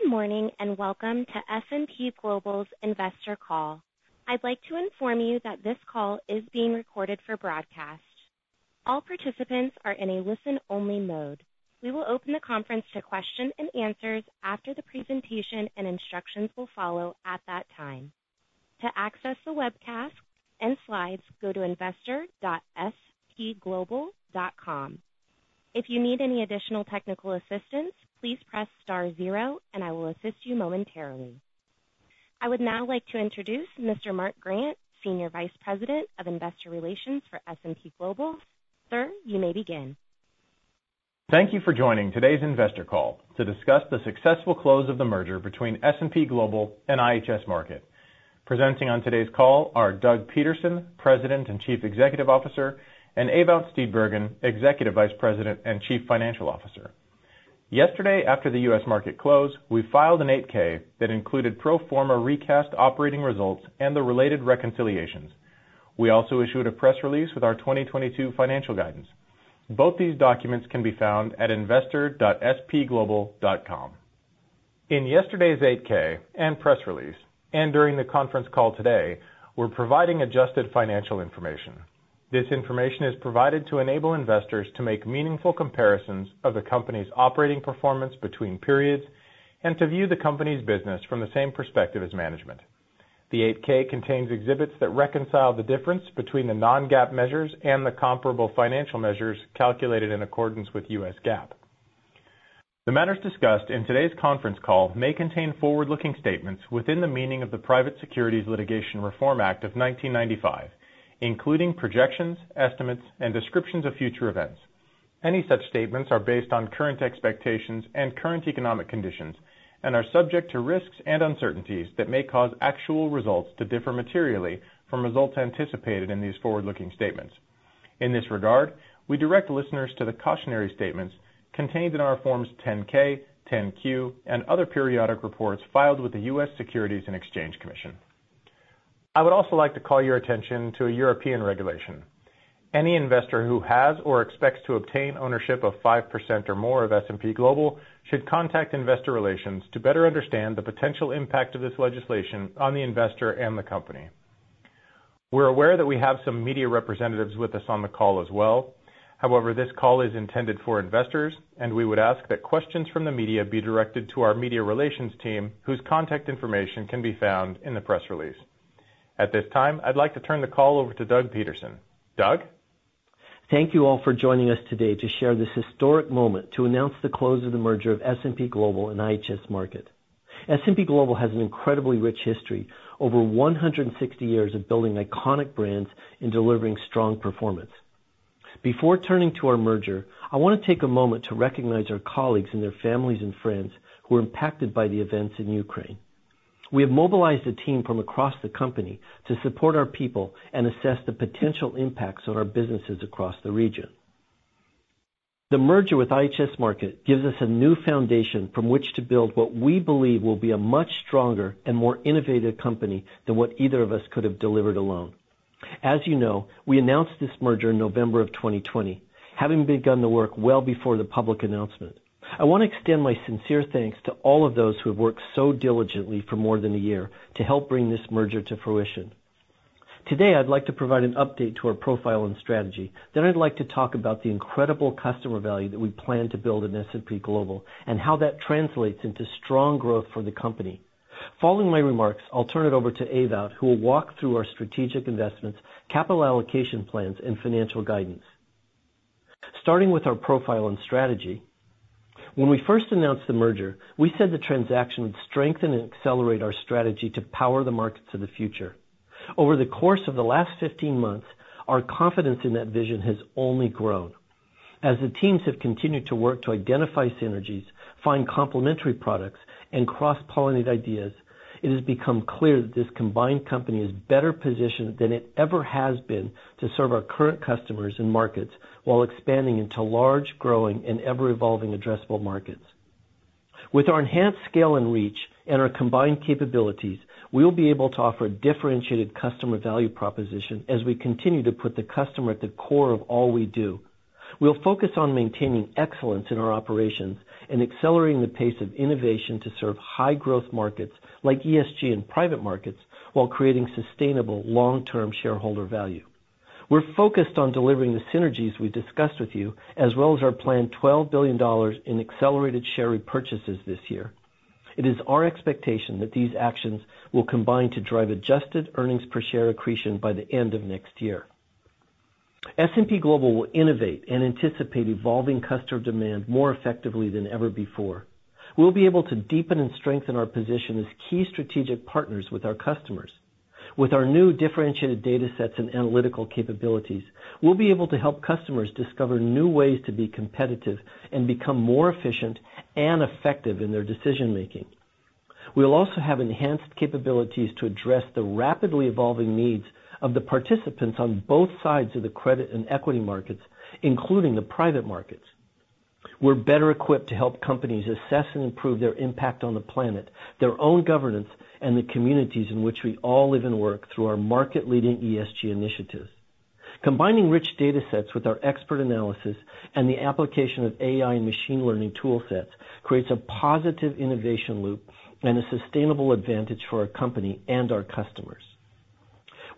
Good morning, and welcome to S&P Global's investor call. I'd like to inform you that this call is being recorded for broadcast. All participants are in a listen-only mode. We will open the conference to question and answers after the presentation, and instructions will follow at that time. To access the webcast and slides, go to investor.spglobal.com. If you need any additional technical assistance, please press star zero, and I will assist you momentarily. I would now like to introduce Mr. Mark Grant, Senior Vice President of Investor Relations for S&P Global. Sir, you may begin. Thank you for joining today's investor call to discuss the successful close of the merger between S&P Global and IHS Markit. Presenting on today's call are Doug Peterson, President and Chief Executive Officer, and Ewout Steenbergen, Executive Vice President and Chief Financial Officer. Yesterday, after the U.S. market closed, we filed an 8-K that included pro forma recast operating results and the related reconciliations. We also issued a press release with our 2022 financial guidance. Both these documents can be found at investor.spglobal.com. In yesterday's 8-K and press release, and during the conference call today, we're providing adjusted financial information. This information is provided to enable investors to make meaningful comparisons of the company's operating performance between periods and to view the company's business from the same perspective as management. The 8-K contains exhibits that reconcile the difference between the non-GAAP measures and the comparable financial measures calculated in accordance with U.S. GAAP. The matters discussed in today's conference call may contain forward-looking statements within the meaning of the Private Securities Litigation Reform Act of 1995, including projections, estimates, and descriptions of future events. Any such statements are based on current expectations and current economic conditions and are subject to risks and uncertainties that may cause actual results to differ materially from results anticipated in these forward-looking statements. In this regard, we direct listeners to the cautionary statements contained in our Forms 10-K, 10-Q, and other periodic reports filed with the U.S. Securities and Exchange Commission. I would also like to call your attention to a European regulation. Any investor who has or expects to obtain ownership of 5% or more of S&P Global should contact investor relations to better understand the potential impact of this legislation on the investor and the company. We're aware that we have some media representatives with us on the call as well. However, this call is intended for investors, and we would ask that questions from the media be directed to our media relations team, whose contact information can be found in the press release. At this time, I'd like to turn the call over to Doug Peterson. Doug. Thank you all for joining us today to share this historic moment to announce the close of the merger of S&P Global and IHS Markit. S&P Global has an incredibly rich history, over 160 years of building iconic brands and delivering strong performance. Before turning to our merger, I want to take a moment to recognize our colleagues and their families and friends who are impacted by the events in Ukraine. We have mobilized the team from across the company to support our people and assess the potential impacts on our businesses across the region. The merger with IHS Markit gives us a new foundation from which to build what we believe will be a much stronger and more innovative company than what either of us could have delivered alone. As you know, we announced this merger in November 2020, having begun the work well before the public announcement. I want to extend my sincere thanks to all of those who have worked so diligently for more than a year to help bring this merger to fruition. Today, I'd like to provide an update to our profile and strategy. Then I'd like to talk about the incredible customer value that we plan to build in S&P Global and how that translates into strong growth for the company. Following my remarks, I'll turn it over to Ewout, who will walk through our strategic investments, capital allocation plans, and financial guidance. Starting with our profile and strategy, when we first announced the merger, we said the transaction would strengthen and accelerate our strategy to power the markets of the future. Over the course of the last 15 months, our confidence in that vision has only grown. As the teams have continued to work to identify synergies, find complementary products, and cross-pollinate ideas, it has become clear that this combined company is better positioned than it ever has been to serve our current customers and markets while expanding into large, growing, and ever-evolving addressable markets. With our enhanced scale and reach and our combined capabilities, we will be able to offer a differentiated customer value proposition as we continue to put the customer at the core of all we do. We'll focus on maintaining excellence in our operations and accelerating the pace of innovation to serve high-growth markets like ESG and private markets while creating sustainable long-term shareholder value. We're focused on delivering the synergies we discussed with you, as well as our planned $12 billion in accelerated share repurchases this year. It is our expectation that these actions will combine to drive adjusted earnings per share accretion by the end of next year. S&P Global will innovate and anticipate evolving customer demand more effectively than ever before. We'll be able to deepen and strengthen our position as key strategic partners with our customers. With our new differentiated data sets and analytical capabilities, we'll be able to help customers discover new ways to be competitive and become more efficient and effective in their decision-making. We'll also have enhanced capabilities to address the rapidly evolving needs of the participants on both sides of the credit and equity markets, including the private markets. We're better equipped to help companies assess and improve their impact on the planet, their own governance, and the communities in which we all live and work through our market-leading ESG initiatives. Combining rich data sets with our expert analysis and the application of AI and machine learning tool sets creates a positive innovation loop and a sustainable advantage for our company and our customers.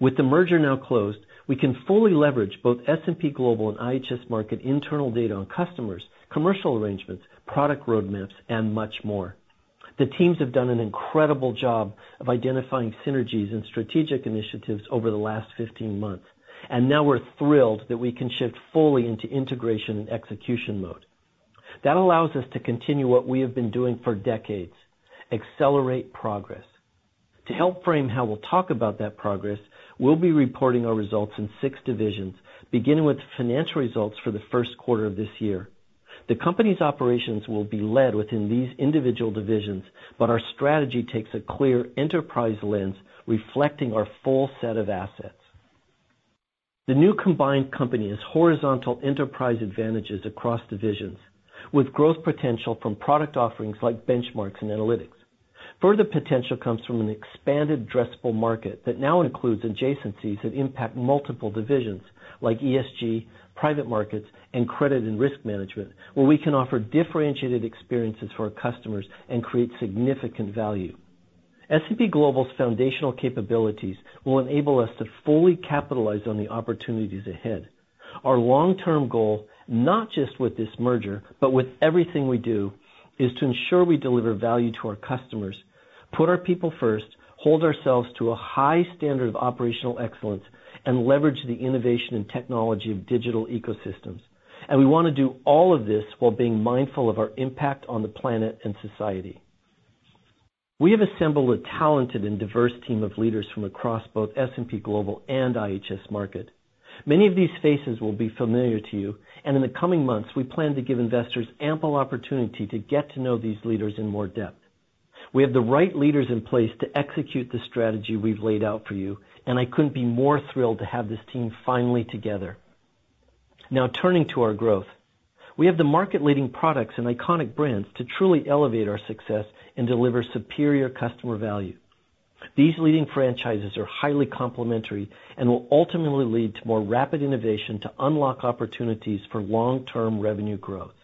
With the merger now closed, we can fully leverage both S&P Global and IHS Markit internal data on customers, commercial arrangements, product roadmaps, and much more. The teams have done an incredible job of identifying synergies and strategic initiatives over the last 15 months, and now we're thrilled that we can shift fully into integration and execution mode. That allows us to continue what we have been doing for decades, accelerate progress. To help frame how we'll talk about that progress, we'll be reporting our results in six divisions, beginning with the financial results for the first quarter of this year. The company's operations will be led within these individual divisions, but our strategy takes a clear enterprise lens reflecting our full set of assets. The new combined company has horizontal enterprise advantages across divisions, with growth potential from product offerings like benchmarks and analytics. Further potential comes from an expanded addressable market that now includes adjacencies that impact multiple divisions, like ESG, private markets, and credit and risk management, where we can offer differentiated experiences for our customers and create significant value. S&P Global's foundational capabilities will enable us to fully capitalize on the opportunities ahead. Our long-term goal, not just with this merger, but with everything we do, is to ensure we deliver value to our customers, put our people first, hold ourselves to a high standard of operational excellence, and leverage the innovation and technology of digital ecosystems. We want to do all of this while being mindful of our impact on the planet and society. We have assembled a talented and diverse team of leaders from across both S&P Global and IHS Markit. Many of these faces will be familiar to you, and in the coming months, we plan to give investors ample opportunity to get to know these leaders in more depth. We have the right leaders in place to execute the strategy we've laid out for you, and I couldn't be more thrilled to have this team finally together. Now turning to our growth. We have the market-leading products and iconic brands to truly elevate our success and deliver superior customer value. These leading franchises are highly complementary and will ultimately lead to more rapid innovation to unlock opportunities for long-term revenue growth.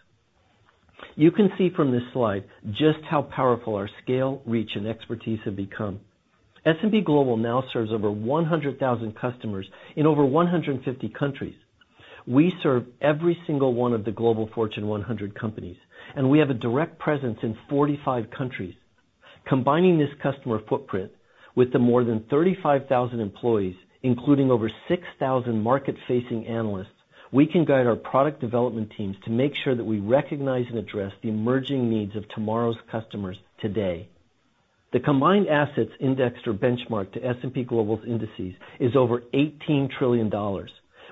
You can see from this slide just how powerful our scale, reach, and expertise have become. S&P Global now serves over 100,000 customers in over 150 countries. We serve every single one of the Global Fortune 100 companies, and we have a direct presence in 45 countries. Combining this customer footprint with the more than 35,000 employees, including over 6,000 market-facing analysts, we can guide our product development teams to make sure that we recognize and address the emerging needs of tomorrow's customers today. The combined assets indexed or benchmarked to S&P Global's indices is over $18 trillion,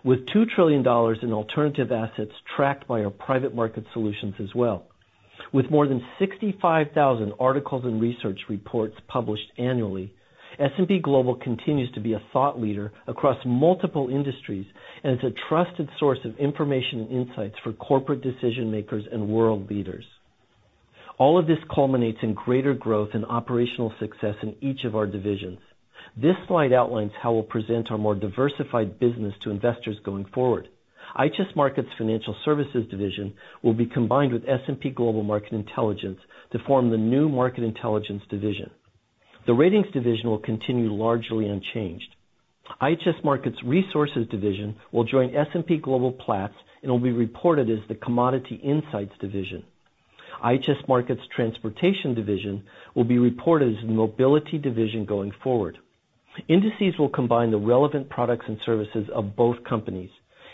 with $2 trillion in alternative assets tracked by our private market solutions as well. With more than 65,000 articles and research reports published annually, S&P Global continues to be a thought leader across multiple industries and is a trusted source of information and insights for corporate decision-makers and world leaders. All of this culminates in greater growth and operational success in each of our divisions. This slide outlines how we'll present our more diversified business to investors going forward. IHS Markit's Financial Services division will be combined with S&P Global Market Intelligence to form the new Market Intelligence division. The Ratings division will continue largely unchanged. IHS Markit's Resources division will join S&P Global Platts and will be reported as the Commodity Insights division. IHS Markit's Transportation division will be reported as the Mobility division going forward. Indices will combine the relevant products and services of both companies.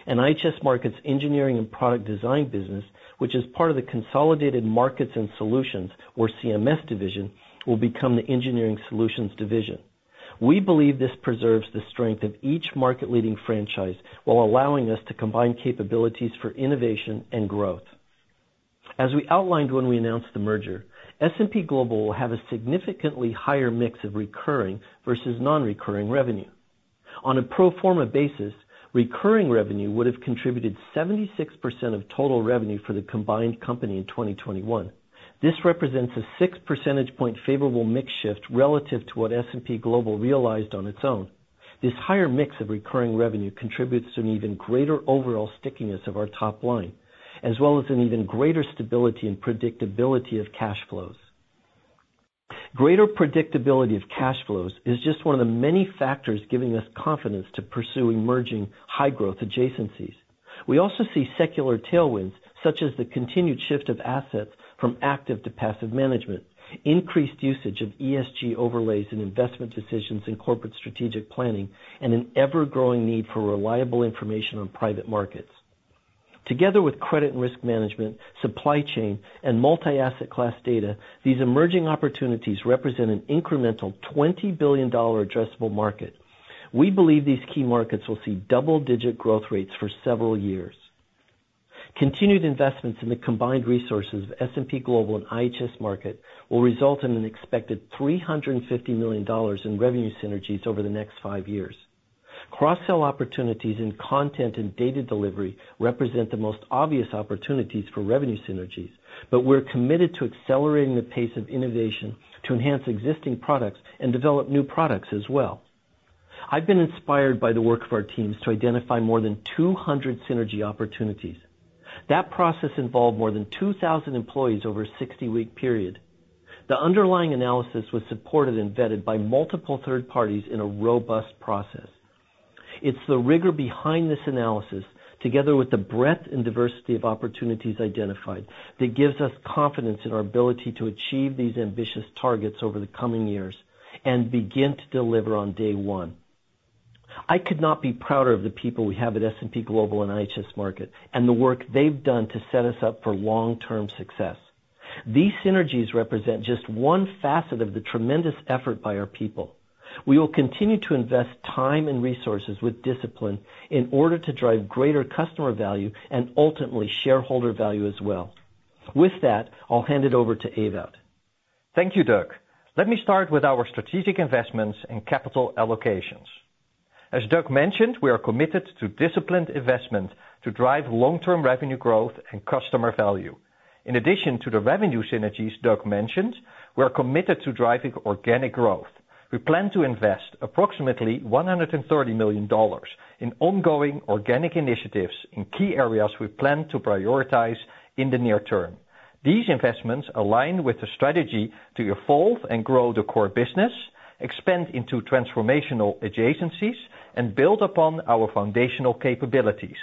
IHS Markit's Engineering and Product Design business, which is part of the Consolidated Markets and Solutions, or CMS division, will become the Engineering Solutions division. We believe this preserves the strength of each market-leading franchise while allowing us to combine capabilities for innovation and growth. As we outlined when we announced the merger, S&P Global will have a significantly higher mix of recurring versus non-recurring revenue. On a pro forma basis, recurring revenue would have contributed 76% of total revenue for the combined company in 2021. This represents a six percentage point favorable mix shift relative to what S&P Global realized on its own. This higher mix of recurring revenue contributes to an even greater overall stickiness of our top line, as well as an even greater stability and predictability of cash flows. Greater predictability of cash flows is just one of the many factors giving us confidence to pursue emerging high-growth adjacencies. We also see secular tailwinds, such as the continued shift of assets from active to passive management, increased usage of ESG overlays in investment decisions in corporate strategic planning, and an ever-growing need for reliable information on private markets. Together with credit and risk management, supply chain, and multi-asset class data, these emerging opportunities represent an incremental $20 billion addressable market. We believe these key markets will see double-digit growth rates for several years. Continued investments in the combined resources of S&P Global and IHS Markit will result in an expected $350 million in revenue synergies over the next five years. Cross-sell opportunities in content and data delivery represent the most obvious opportunities for revenue synergies, but we're committed to accelerating the pace of innovation to enhance existing products and develop new products as well. I've been inspired by the work of our teams to identify more than 200 synergy opportunities. That process involved more than 2,000 employees over a 60-week period. The underlying analysis was supported and vetted by multiple third parties in a robust process. It's the rigor behind this analysis, together with the breadth and diversity of opportunities identified, that gives us confidence in our ability to achieve these ambitious targets over the coming years and begin to deliver on day one. I could not be prouder of the people we have at S&P Global and IHS Markit, and the work they've done to set us up for long-term success. These synergies represent just one facet of the tremendous effort by our people. We will continue to invest time and resources with discipline in order to drive greater customer value and ultimately shareholder value as well. With that, I'll hand it over to Ewout. Thank you, Doug. Let me start with our strategic investments and capital allocations. As Doug mentioned, we are committed to disciplined investment to drive long-term revenue growth and customer value. In addition to the revenue synergies Doug mentioned, we're committed to driving organic growth. We plan to invest approximately $130 million in ongoing organic initiatives in key areas we plan to prioritize in the near term. These investments align with the strategy to evolve and grow the core business, expand into transformational adjacencies, and build upon our foundational capabilities.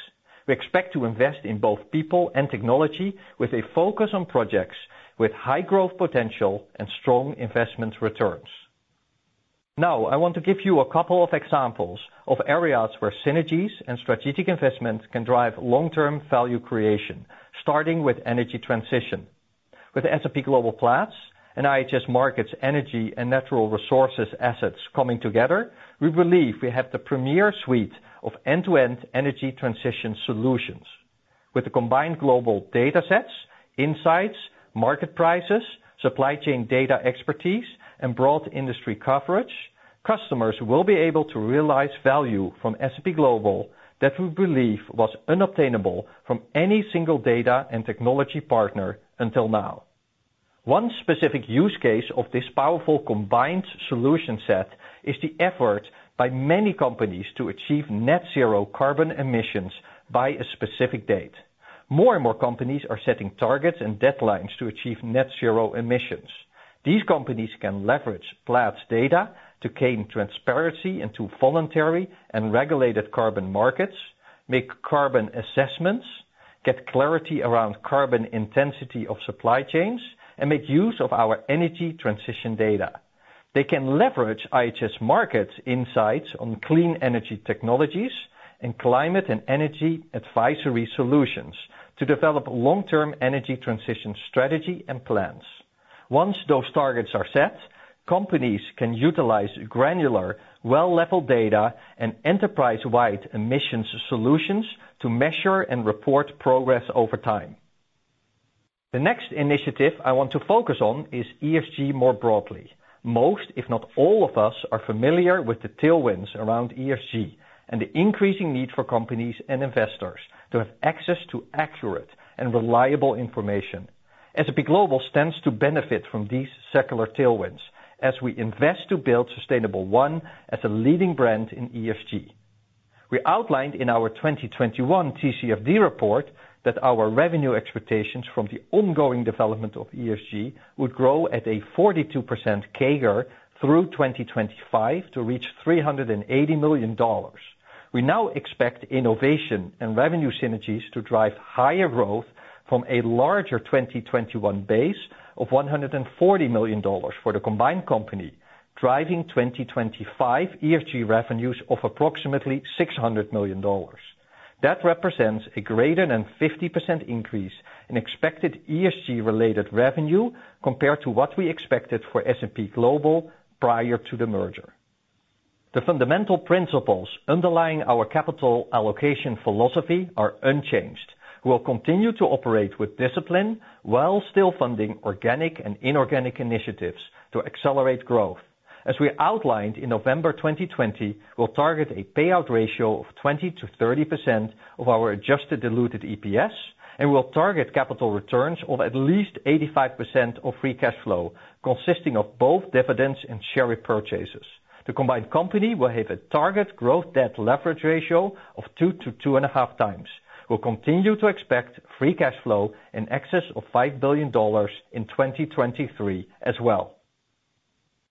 We expect to invest in both people and technology with a focus on projects with high growth potential and strong investment returns. Now, I want to give you a couple of examples of areas where synergies and strategic investments can drive long-term value creation, starting with energy transition. With S&P Global Platts and IHS Markit's energy and natural resources assets coming together, we believe we have the premier suite of end-to-end energy transition solutions. With the combined global datasets, insights, market prices, supply chain data expertise, and broad industry coverage, customers will be able to realize value from S&P Global that we believe was unobtainable from any single data and technology partner until now. One specific use case of this powerful combined solution set is the effort by many companies to achieve net zero carbon emissions by a specific date. More and more companies are setting targets and deadlines to achieve net zero emissions. These companies can leverage Platts data to gain transparency into voluntary and regulated carbon markets, make carbon assessments, get clarity around carbon intensity of supply chains, and make use of our energy transition data. They can leverage IHS Markit's insights on clean energy technologies and climate and energy advisory solutions to develop long-term energy transition strategy and plans. Once those targets are set, companies can utilize granular, well-level data and enterprise-wide emissions solutions to measure and report progress over time. The next initiative I want to focus on is ESG more broadly. Most, if not all of us, are familiar with the tailwinds around ESG and the increasing need for companies and investors to have access to accurate and reliable information. S&P Global stands to benefit from these secular tailwinds as we invest to build Sustainable1 as a leading brand in ESG. We outlined in our 2021 TCFD report that our revenue expectations from the ongoing development of ESG would grow at a 42% CAGR through 2025 to reach $380 million. We now expect innovation and revenue synergies to drive higher growth from a larger 2021 base of $140 million for the combined company, driving 2025 ESG revenues of approximately $600 million. That represents a greater than 50% increase in expected ESG-related revenue compared to what we expected for S&P Global prior to the merger. The fundamental principles underlying our capital allocation philosophy are unchanged. We'll continue to operate with discipline while still funding organic and inorganic initiatives to accelerate growth. As we outlined in November 2020, we'll target a payout ratio of 20%-30% of our adjusted diluted EPS, and we'll target capital returns of at least 85% of free cash flow, consisting of both dividends and share repurchases. The combined company will have a target growth debt leverage ratio of 2-2.5x. We'll continue to expect free cash flow in excess of $5 billion in 2023 as well.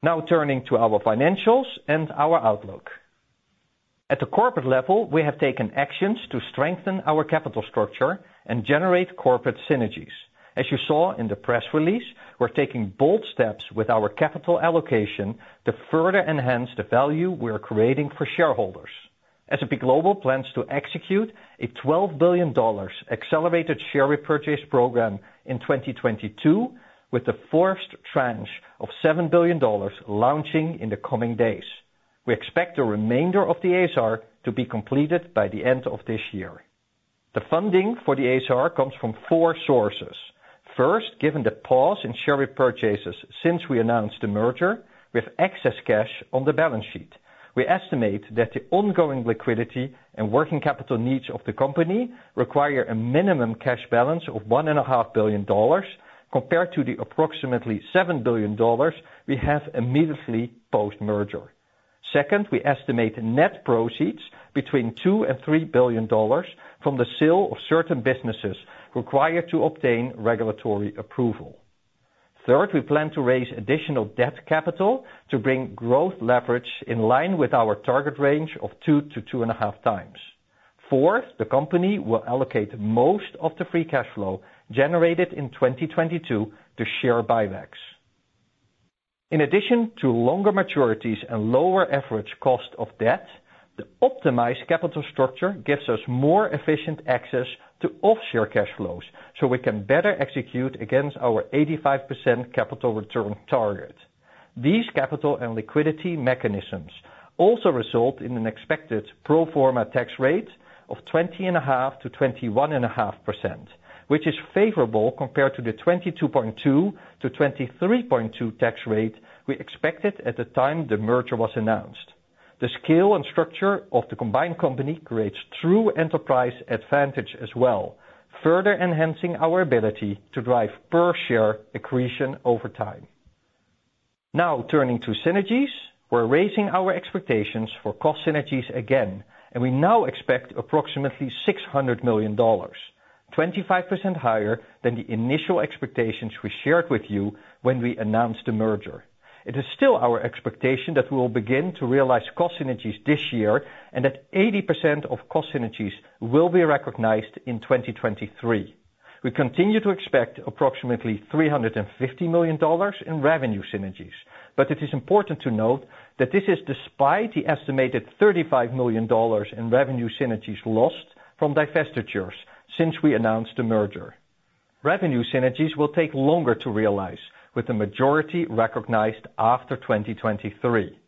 Now turning to our financials and our outlook. At the corporate level, we have taken actions to strengthen our capital structure and generate corporate synergies. As you saw in the press release, we're taking bold steps with our capital allocation to further enhance the value we are creating for shareholders. S&P Global plans to execute a $12 billion accelerated share repurchase program in 2022, with the first tranche of $7 billion launching in the coming days. We expect the remainder of the ASR to be completed by the end of this year. The funding for the ASR comes from four sources. First, given the pause in share repurchases since we announced the merger, we have excess cash on the balance sheet. We estimate that the ongoing liquidity and working capital needs of the company require a minimum cash balance of $1.5 billion compared to the approximately $7 billion we have immediately post-merger. Second, we estimate net proceeds between $2 billion and $3 billion from the sale of certain businesses required to obtain regulatory approval. Third, we plan to raise additional debt capital to bring growth leverage in line with our target range of 2-2.5x. Fourth, the company will allocate most of the free cash flow generated in 2022 to share buybacks. In addition to longer maturities and lower average cost of debt, the optimized capital structure gives us more efficient access to offshore cash flows, so we can better execute against our 85% capital return target. These capital and liquidity mechanisms also result in an expected pro forma tax rate of 20.5%-21.5%, which is favorable compared to the 22.2%-23.2% tax rate we expected at the time the merger was announced. The scale and structure of the combined company creates true enterprise advantage as well, further enhancing our ability to drive per share accretion over time. Now turning to synergies. We're raising our expectations for cost synergies again, and we now expect approximately $600 million, 25% higher than the initial expectations we shared with you when we announced the merger. It is still our expectation that we will begin to realize cost synergies this year, and that 80% of cost synergies will be recognized in 2023. We continue to expect approximately $350 million in revenue synergies, but it is important to note that this is despite the estimated $35 million in revenue synergies lost from divestitures since we announced the merger. Revenue synergies will take longer to realize, with the majority recognized after 2023.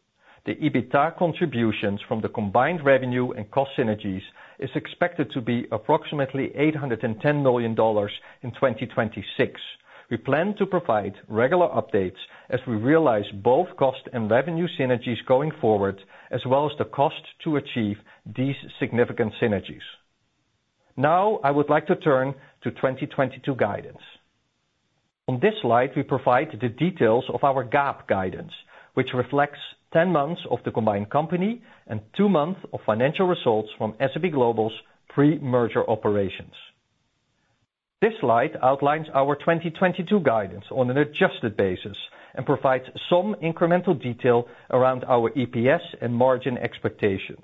The EBITDA contributions from the combined revenue and cost synergies is expected to be approximately $810 million in 2026. We plan to provide regular updates as we realize both cost and revenue synergies going forward, as well as the cost to achieve these significant synergies. Now, I would like to turn to 2022 guidance. On this slide, we provide the details of our GAAP guidance, which reflects 10 months of the combined company and two months of financial results from S&P Global's pre-merger operations. This slide outlines our 2022 guidance on an adjusted basis and provides some incremental detail around our EPS and margin expectations.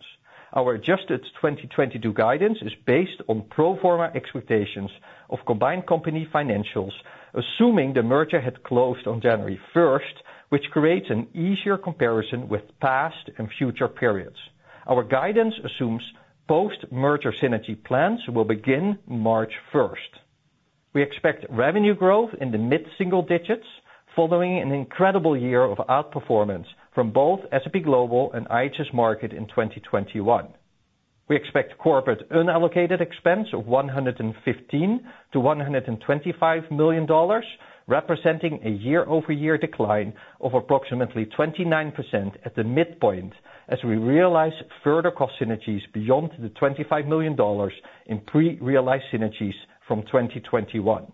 Our adjusted 2022 guidance is based on pro forma expectations of combined company financials, assuming the merger had closed on January 1st, which creates an easier comparison with past and future periods. Our guidance assumes post-merger synergy plans will begin March 1st. We expect revenue growth in the mid-single digits following an incredible year of outperformance from both S&P Global and IHS Markit in 2021. We expect corporate unallocated expense of $115 million-$125 million, representing a year-over-year decline of approximately 29% at the midpoint, as we realize further cost synergies beyond the $25 million in pre-realized synergies from 2021.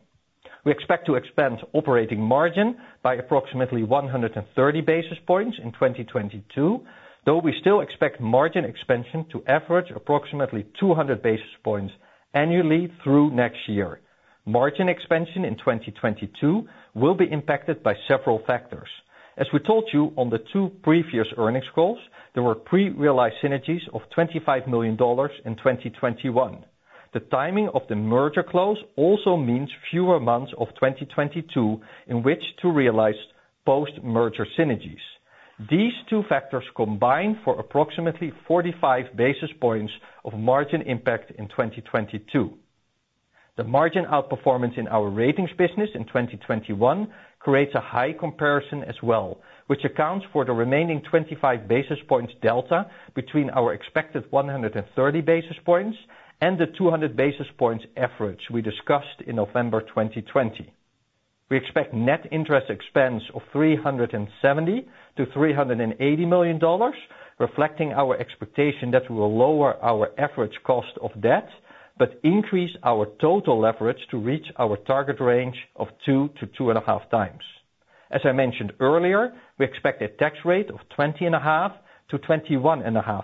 We expect to expand operating margin by approximately 130 basis points in 2022, though we still expect margin expansion to average approximately 200 basis points annually through next year. Margin expansion in 2022 will be impacted by several factors. As we told you on the two previous earnings calls, there were pre-realized synergies of $25 million in 2021. The timing of the merger close also means fewer months of 2022 in which to realize post-merger synergies. These two factors combine for approximately 45 basis points of margin impact in 2022. The margin outperformance in our Ratings business in 2021 creates a high comparison as well, which accounts for the remaining 25 basis points delta between our expected 130 basis points and the 200 basis points average we discussed in November 2020. We expect net interest expense of $370 million-$380 million, reflecting our expectation that we will lower our average cost of debt, but increase our total leverage to reach our target range of 2-2.5x. As I mentioned earlier, we expect a tax rate of 20.5%-21.5%.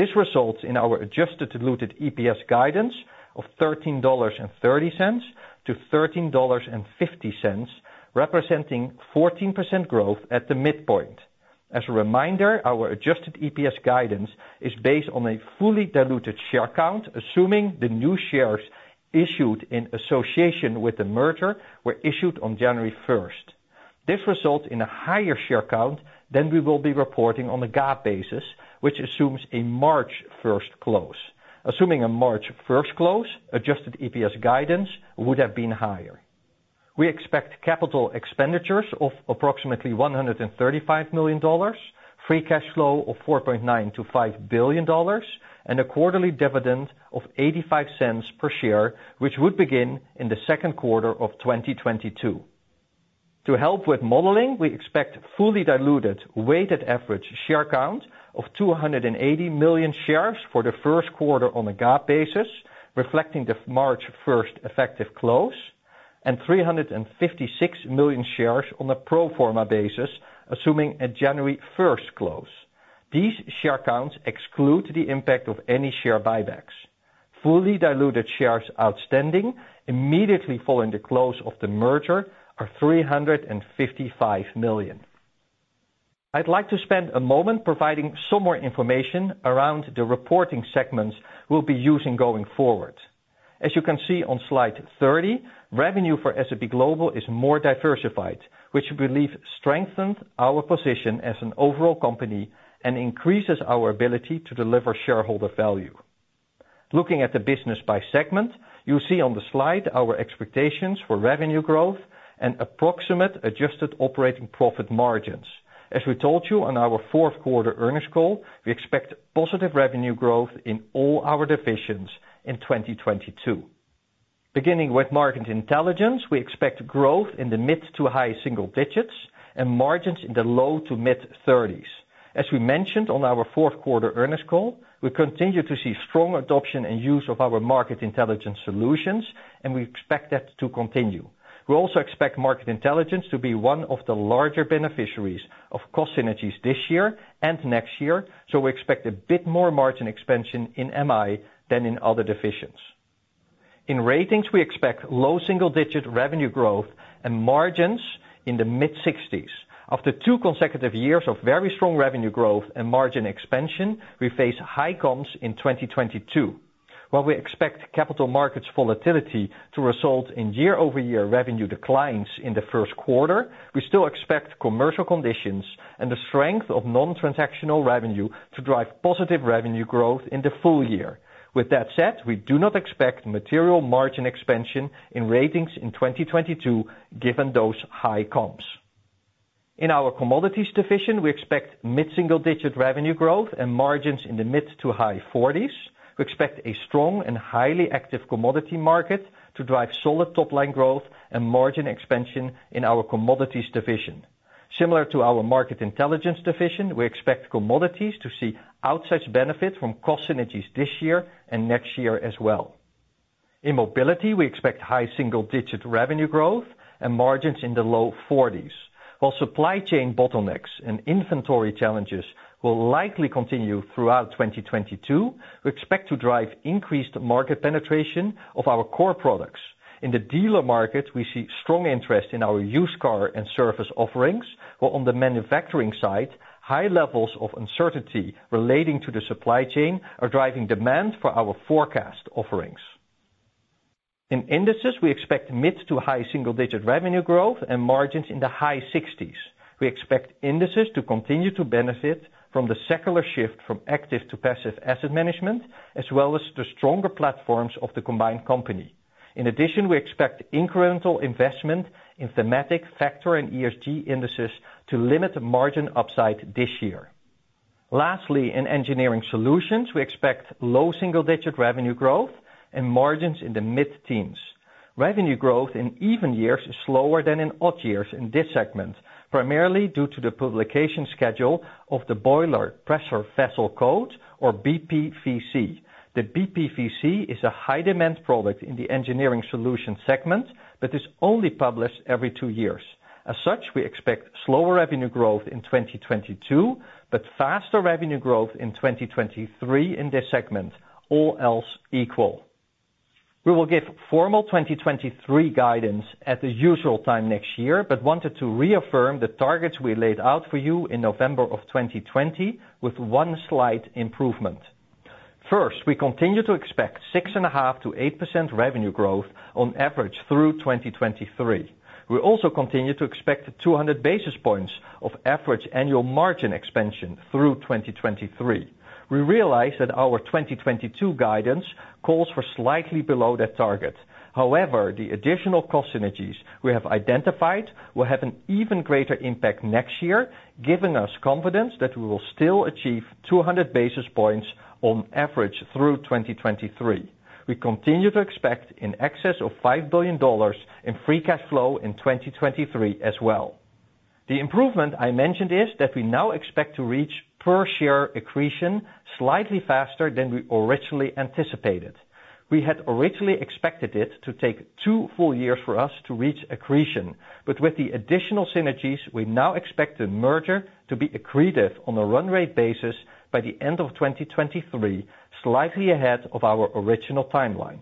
This results in our adjusted diluted EPS guidance of $13.30-$13.50, representing 14% growth at the midpoint. As a reminder, our adjusted EPS guidance is based on a fully diluted share count, assuming the new shares issued in association with the merger were issued on January 1st. This results in a higher share count than we will be reporting on a GAAP basis, which assumes a March 1st close. Assuming a March 1st close, adjusted EPS guidance would have been higher. We expect capital expenditures of approximately $135 million, free cash flow of $4.9 billion-$5 billion, and a quarterly dividend of $0.85 per share, which would begin in the second quarter of 2022. To help with modeling, we expect fully diluted weighted average share count of 280 million shares for the first quarter on a GAAP basis, reflecting the March 1st effective close, and 356 million shares on a pro forma basis, assuming a January 1st close. These share counts exclude the impact of any share buybacks. Fully diluted shares outstanding immediately following the close of the merger are 355 million. I'd like to spend a moment providing some more information around the reporting segments we'll be using going forward. As you can see on slide 30, revenue for S&P Global is more diversified, which we believe strengthens our position as an overall company and increases our ability to deliver shareholder value. Looking at the business by segment, you'll see on the slide our expectations for revenue growth and approximate adjusted operating profit margins. As we told you on our fourth quarter earnings call, we expect positive revenue growth in all our divisions in 2022. Beginning with Market Intelligence, we expect growth in the mid- to high-single-digits and margins in the low- to mid-30s. As we mentioned on our fourth quarter earnings call, we continue to see strong adoption and use of our Market Intelligence solutions, and we expect that to continue. We also expect Market Intelligence to be one of the larger beneficiaries of cost synergies this year and next year, so we expect a bit more margin expansion in MI than in other divisions. In Ratings, we expect low-single-digit revenue growth and margins in the mid-60s. After two consecutive years of very strong revenue growth and margin expansion, we face high comps in 2022. While we expect capital markets volatility to result in year-over-year revenue declines in the first quarter, we still expect commercial conditions and the strength of non-transactional revenue to drive positive revenue growth in the full year. With that said, we do not expect material margin expansion in Ratings in 2022 given those high comps. In our Commodities division, we expect mid-single-digit revenue growth and margins in the mid- to high 40s. We expect a strong and highly active commodity market to drive solid top-line growth and margin expansion in our Commodities division. Similar to our Market Intelligence division, we expect Commodities to see outsized benefit from cost synergies this year and next year as well. In Mobility, we expect high single-digit revenue growth and margins in the low 40s. While supply chain bottlenecks and inventory challenges will likely continue throughout 2022, we expect to drive increased market penetration of our core products. In the dealer market, we see strong interest in our used car and service offerings, while on the manufacturing side, high levels of uncertainty relating to the supply chain are driving demand for our forecast offerings. In Indices, we expect mid- to high single-digit revenue growth and margins in the high 60s. We expect Indices to continue to benefit from the secular shift from active to passive asset management, as well as the stronger platforms of the combined company. In addition, we expect incremental investment in thematic factor and ESG indices to limit margin upside this year. Lastly, in Engineering Solutions, we expect low single-digit revenue growth and margins in the mid-teens. Revenue growth in even years is slower than in odd years in this segment, primarily due to the publication schedule of the Boiler and Pressure Vessel Code, or BPVC. The BPVC is a high-demand product in the Engineering Solutions segment, but is only published every two years. As such, we expect slower revenue growth in 2022, but faster revenue growth in 2023 in this segment, all else equal. We will give formal 2023 guidance at the usual time next year, but wanted to reaffirm the targets we laid out for you in November of 2020 with one slight improvement. First, we continue to expect 6.5%-8% revenue growth on average through 2023. We also continue to expect 200 basis points of average annual margin expansion through 2023. We realize that our 2022 guidance calls for slightly below that target. However, the additional cost synergies we have identified will have an even greater impact next year, giving us confidence that we will still achieve 200 basis points on average through 2023. We continue to expect in excess of $5 billion in free cash flow in 2023 as well. The improvement I mentioned is that we now expect to reach per-share accretion slightly faster than we originally anticipated. We had originally expected it to take two full years for us to reach accretion, but with the additional synergies, we now expect the merger to be accretive on a run rate basis by the end of 2023, slightly ahead of our original timeline.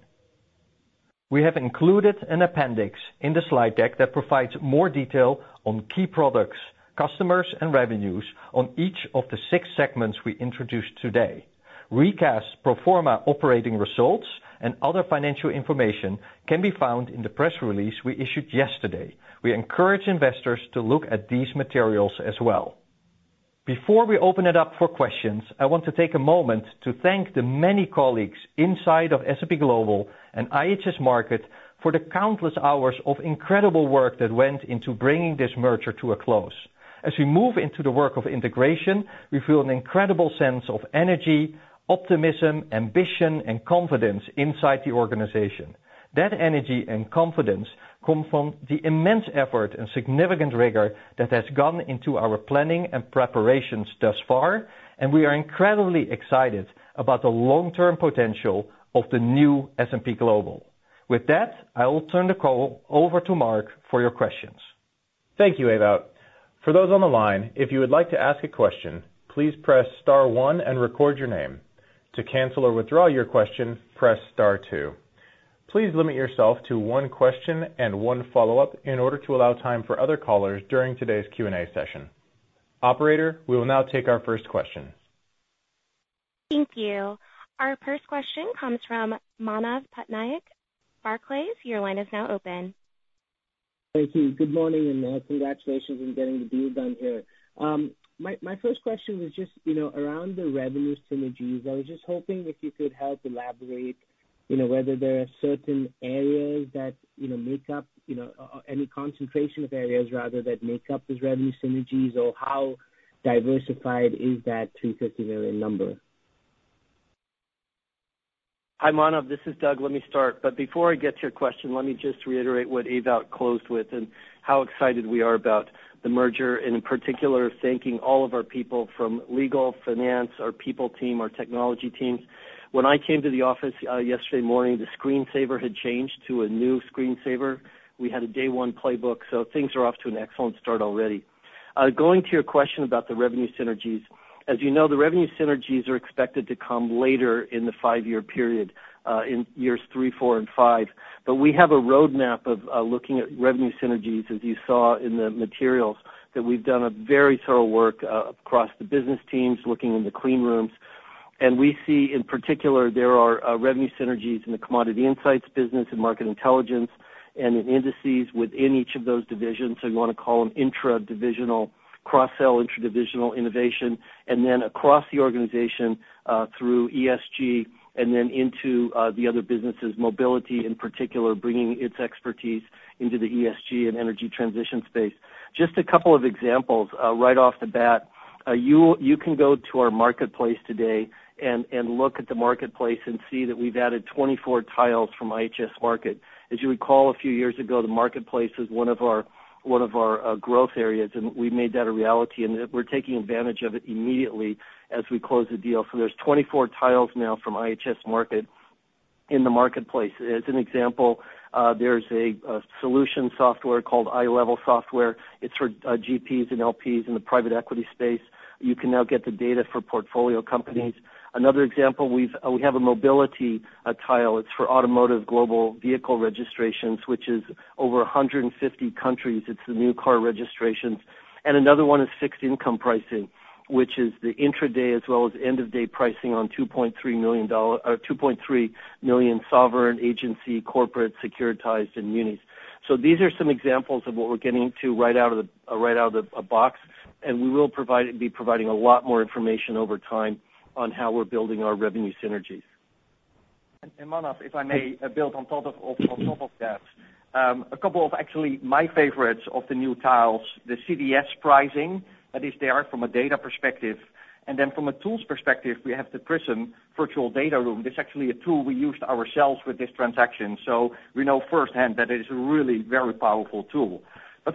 We have included an appendix in the slide deck that provides more detail on key products, customers, and revenues on each of the six segments we introduced today. Recast pro forma operating results and other financial information can be found in the press release we issued yesterday. We encourage investors to look at these materials as well. Before we open it up for questions, I want to take a moment to thank the many colleagues inside of S&P Global and IHS Markit for the countless hours of incredible work that went into bringing this merger to a close. As we move into the work of integration, we feel an incredible sense of energy, optimism, ambition, and confidence inside the organization. That energy and confidence come from the immense effort and significant rigor that has gone into our planning and preparations thus far, and we are incredibly excited about the long-term potential of the new S&P Global. With that, I will turn the call over to Mark for your questions. Thank you, Ewout. For those on the line, if you would like to ask a question, please press star one and record your name. To cancel or withdraw your question, press star two. Please limit yourself to one question and one follow-up in order to allow time for other callers during today's Q&A session. Operator, we will now take our first question. Thank you. Our first question comes from Manav Patnaik, Barclays. Your line is now open. Thank you. Good morning, and congratulations on getting the deal done here. My first question was just, you know, around the revenue synergies. I was just hoping if you could help elaborate, you know, whether there are certain areas that, you know, make up, you know, any concentration of areas rather than make up those revenue synergies or how diversified is that $350 million number? Hi, Manav, this is Doug. Let me start, but before I get to your question, let me just reiterate what Ewout closed with and how excited we are about the merger, and in particular, thanking all of our people from legal, finance, our people team, our technology team. When I came to the office yesterday morning, the screensaver had changed to a new screensaver. We had a day one playbook, so things are off to an excellent start already. Going to your question about the revenue synergies. As you know, the revenue synergies are expected to come later in the five-year period in years three, four, and five. We have a roadmap of looking at revenue synergies, as you saw in the materials, that we've done a very thorough work across the business teams, looking in the clean rooms. We see, in particular, there are revenue synergies in the Commodity Insights business and Market Intelligence and in Indices within each of those divisions. You wanna call them intra-divisional, cross-sell intra-divisional innovation. Then across the organization, through ESG and then into the other businesses, Mobility in particular, bringing its expertise into the ESG and energy transition space. Just a couple of examples, right off the bat. You can go to our marketplace today and look at the marketplace and see that we've added 24 tiles from IHS Markit. As you recall a few years ago, the marketplace is one of our growth areas, and we've made that a reality, and we're taking advantage of it immediately as we close the deal. There's 24 tiles now from IHS Markit in the marketplace. As an example, there's a solution software called iLEVEL Software. It's for GPs and LPs in the private equity space. You can now get the data for portfolio companies. Another example, we have a Mobility tile. It's for automotive global vehicle registrations, which is over 150 countries. It's the new car registrations. Another one is fixed income pricing, which is the intra-day as well as end-of-day pricing on 2.3 million sovereign agency corporate securitized and munis. These are some examples of what we're getting to right out of the box, and we will be providing a lot more information over time on how we're building our revenue synergies. Manav, if I may build on top of that. A couple of, actually, my favorites of the new tiles, the CDS pricing that is there from a data perspective. From a tools perspective, we have the Prism Virtual Data Room. That's actually a tool we used ourselves with this transaction, so we know firsthand that it is a really very powerful tool.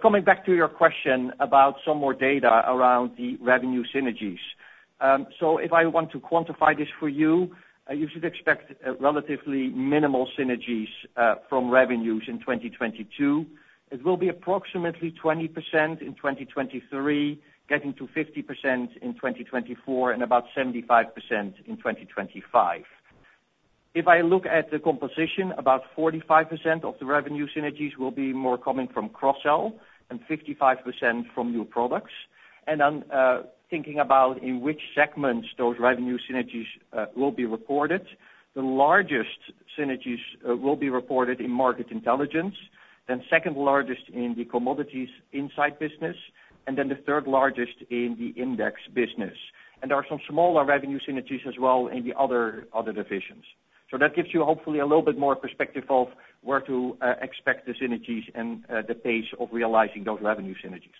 Coming back to your question about some more data around the revenue synergies. If I want to quantify this for you should expect relatively minimal synergies from revenues in 2022. It will be approximately 20% in 2023, getting to 50% in 2024, and about 75% in 2025. If I look at the composition, about 45% of the revenue synergies will be more coming from cross-sell and 55% from new products. Then, thinking about in which segments those revenue synergies will be recorded, the largest synergies will be recorded in Market Intelligence, then second largest in the Commodity Insights business, and then the third largest in the Index business. There are some smaller revenue synergies as well in the other divisions. That gives you, hopefully, a little bit more perspective of where to expect the synergies and the pace of realizing those revenue synergies.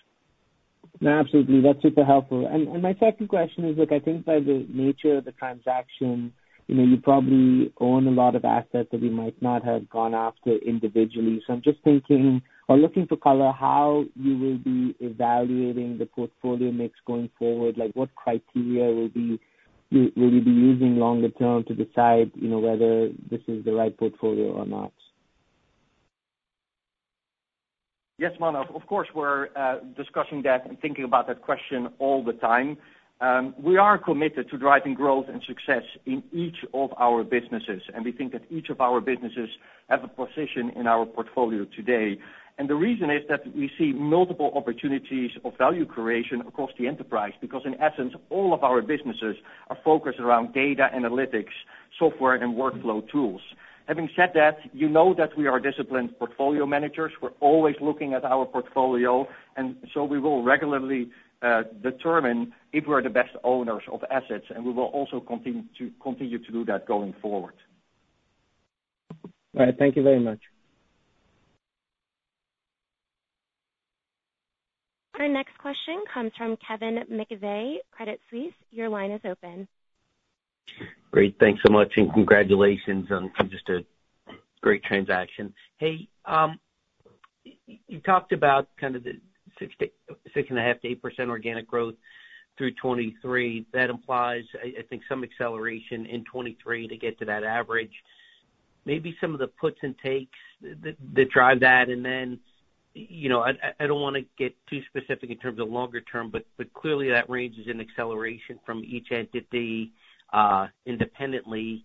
No, absolutely. That's super helpful. My second question is, look, I think by the nature of the transaction, you know, you probably own a lot of assets that we might not have gone after individually. I'm just thinking or looking for color, how you will be evaluating the portfolio mix going forward? Like, what criteria will you be using longer term to decide, you know, whether this is the right portfolio or not? Yes, Manav. Of course, we're discussing that and thinking about that question all the time. We are committed to driving growth and success in each of our businesses, and we think that each of our businesses have a position in our portfolio today. The reason is that we see multiple opportunities of value creation across the enterprise, because in essence, all of our businesses are focused around data analytics, software, and workflow tools. Having said that, you know that we are disciplined portfolio managers. We're always looking at our portfolio, and so we will regularly determine if we are the best owners of assets, and we will also continue to do that going forward. All right. Thank you very much. Our next question comes from Kevin McVeigh, Credit Suisse. Your line is open. Great. Thanks so much, and congratulations on just a great transaction. Hey, you talked about kind of the 6.5%-8% organic growth through 2023. That implies, I think, some acceleration in 2023 to get to that average. Maybe some of the puts and takes that drive that. Then, you know, I don't wanna get too specific in terms of longer term, but clearly that range is an acceleration from each entity independently.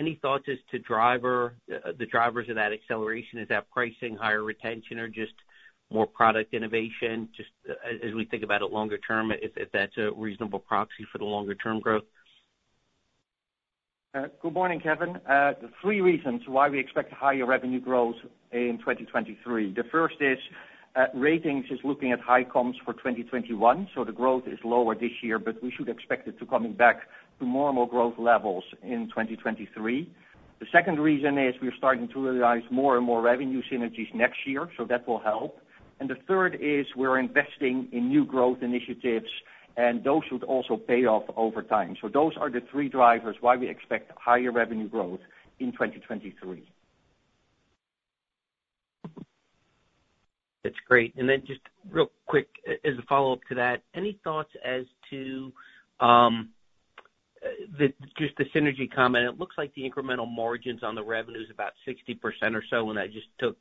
Any thoughts as to the drivers of that acceleration? Is that pricing, higher retention, or just more product innovation, as we think about it longer term, if that's a reasonable proxy for the longer term growth? Good morning, Kevin. Three reasons why we expect higher revenue growth in 2023. The first is, Ratings is looking at high comps for 2021, so the growth is lower this year, but we should expect it to come back to more normal growth levels in 2023. The second reason is we are starting to realize more and more revenue synergies next year, so that will help. The third is we're investing in new growth initiatives, and those should also pay off over time. Those are the three drivers why we expect higher revenue growth in 2023. That's great. Then just real quick, as a follow-up to that, any thoughts as to just the synergy comment. It looks like the incremental margins on the revenue is about 60% or so when I just took,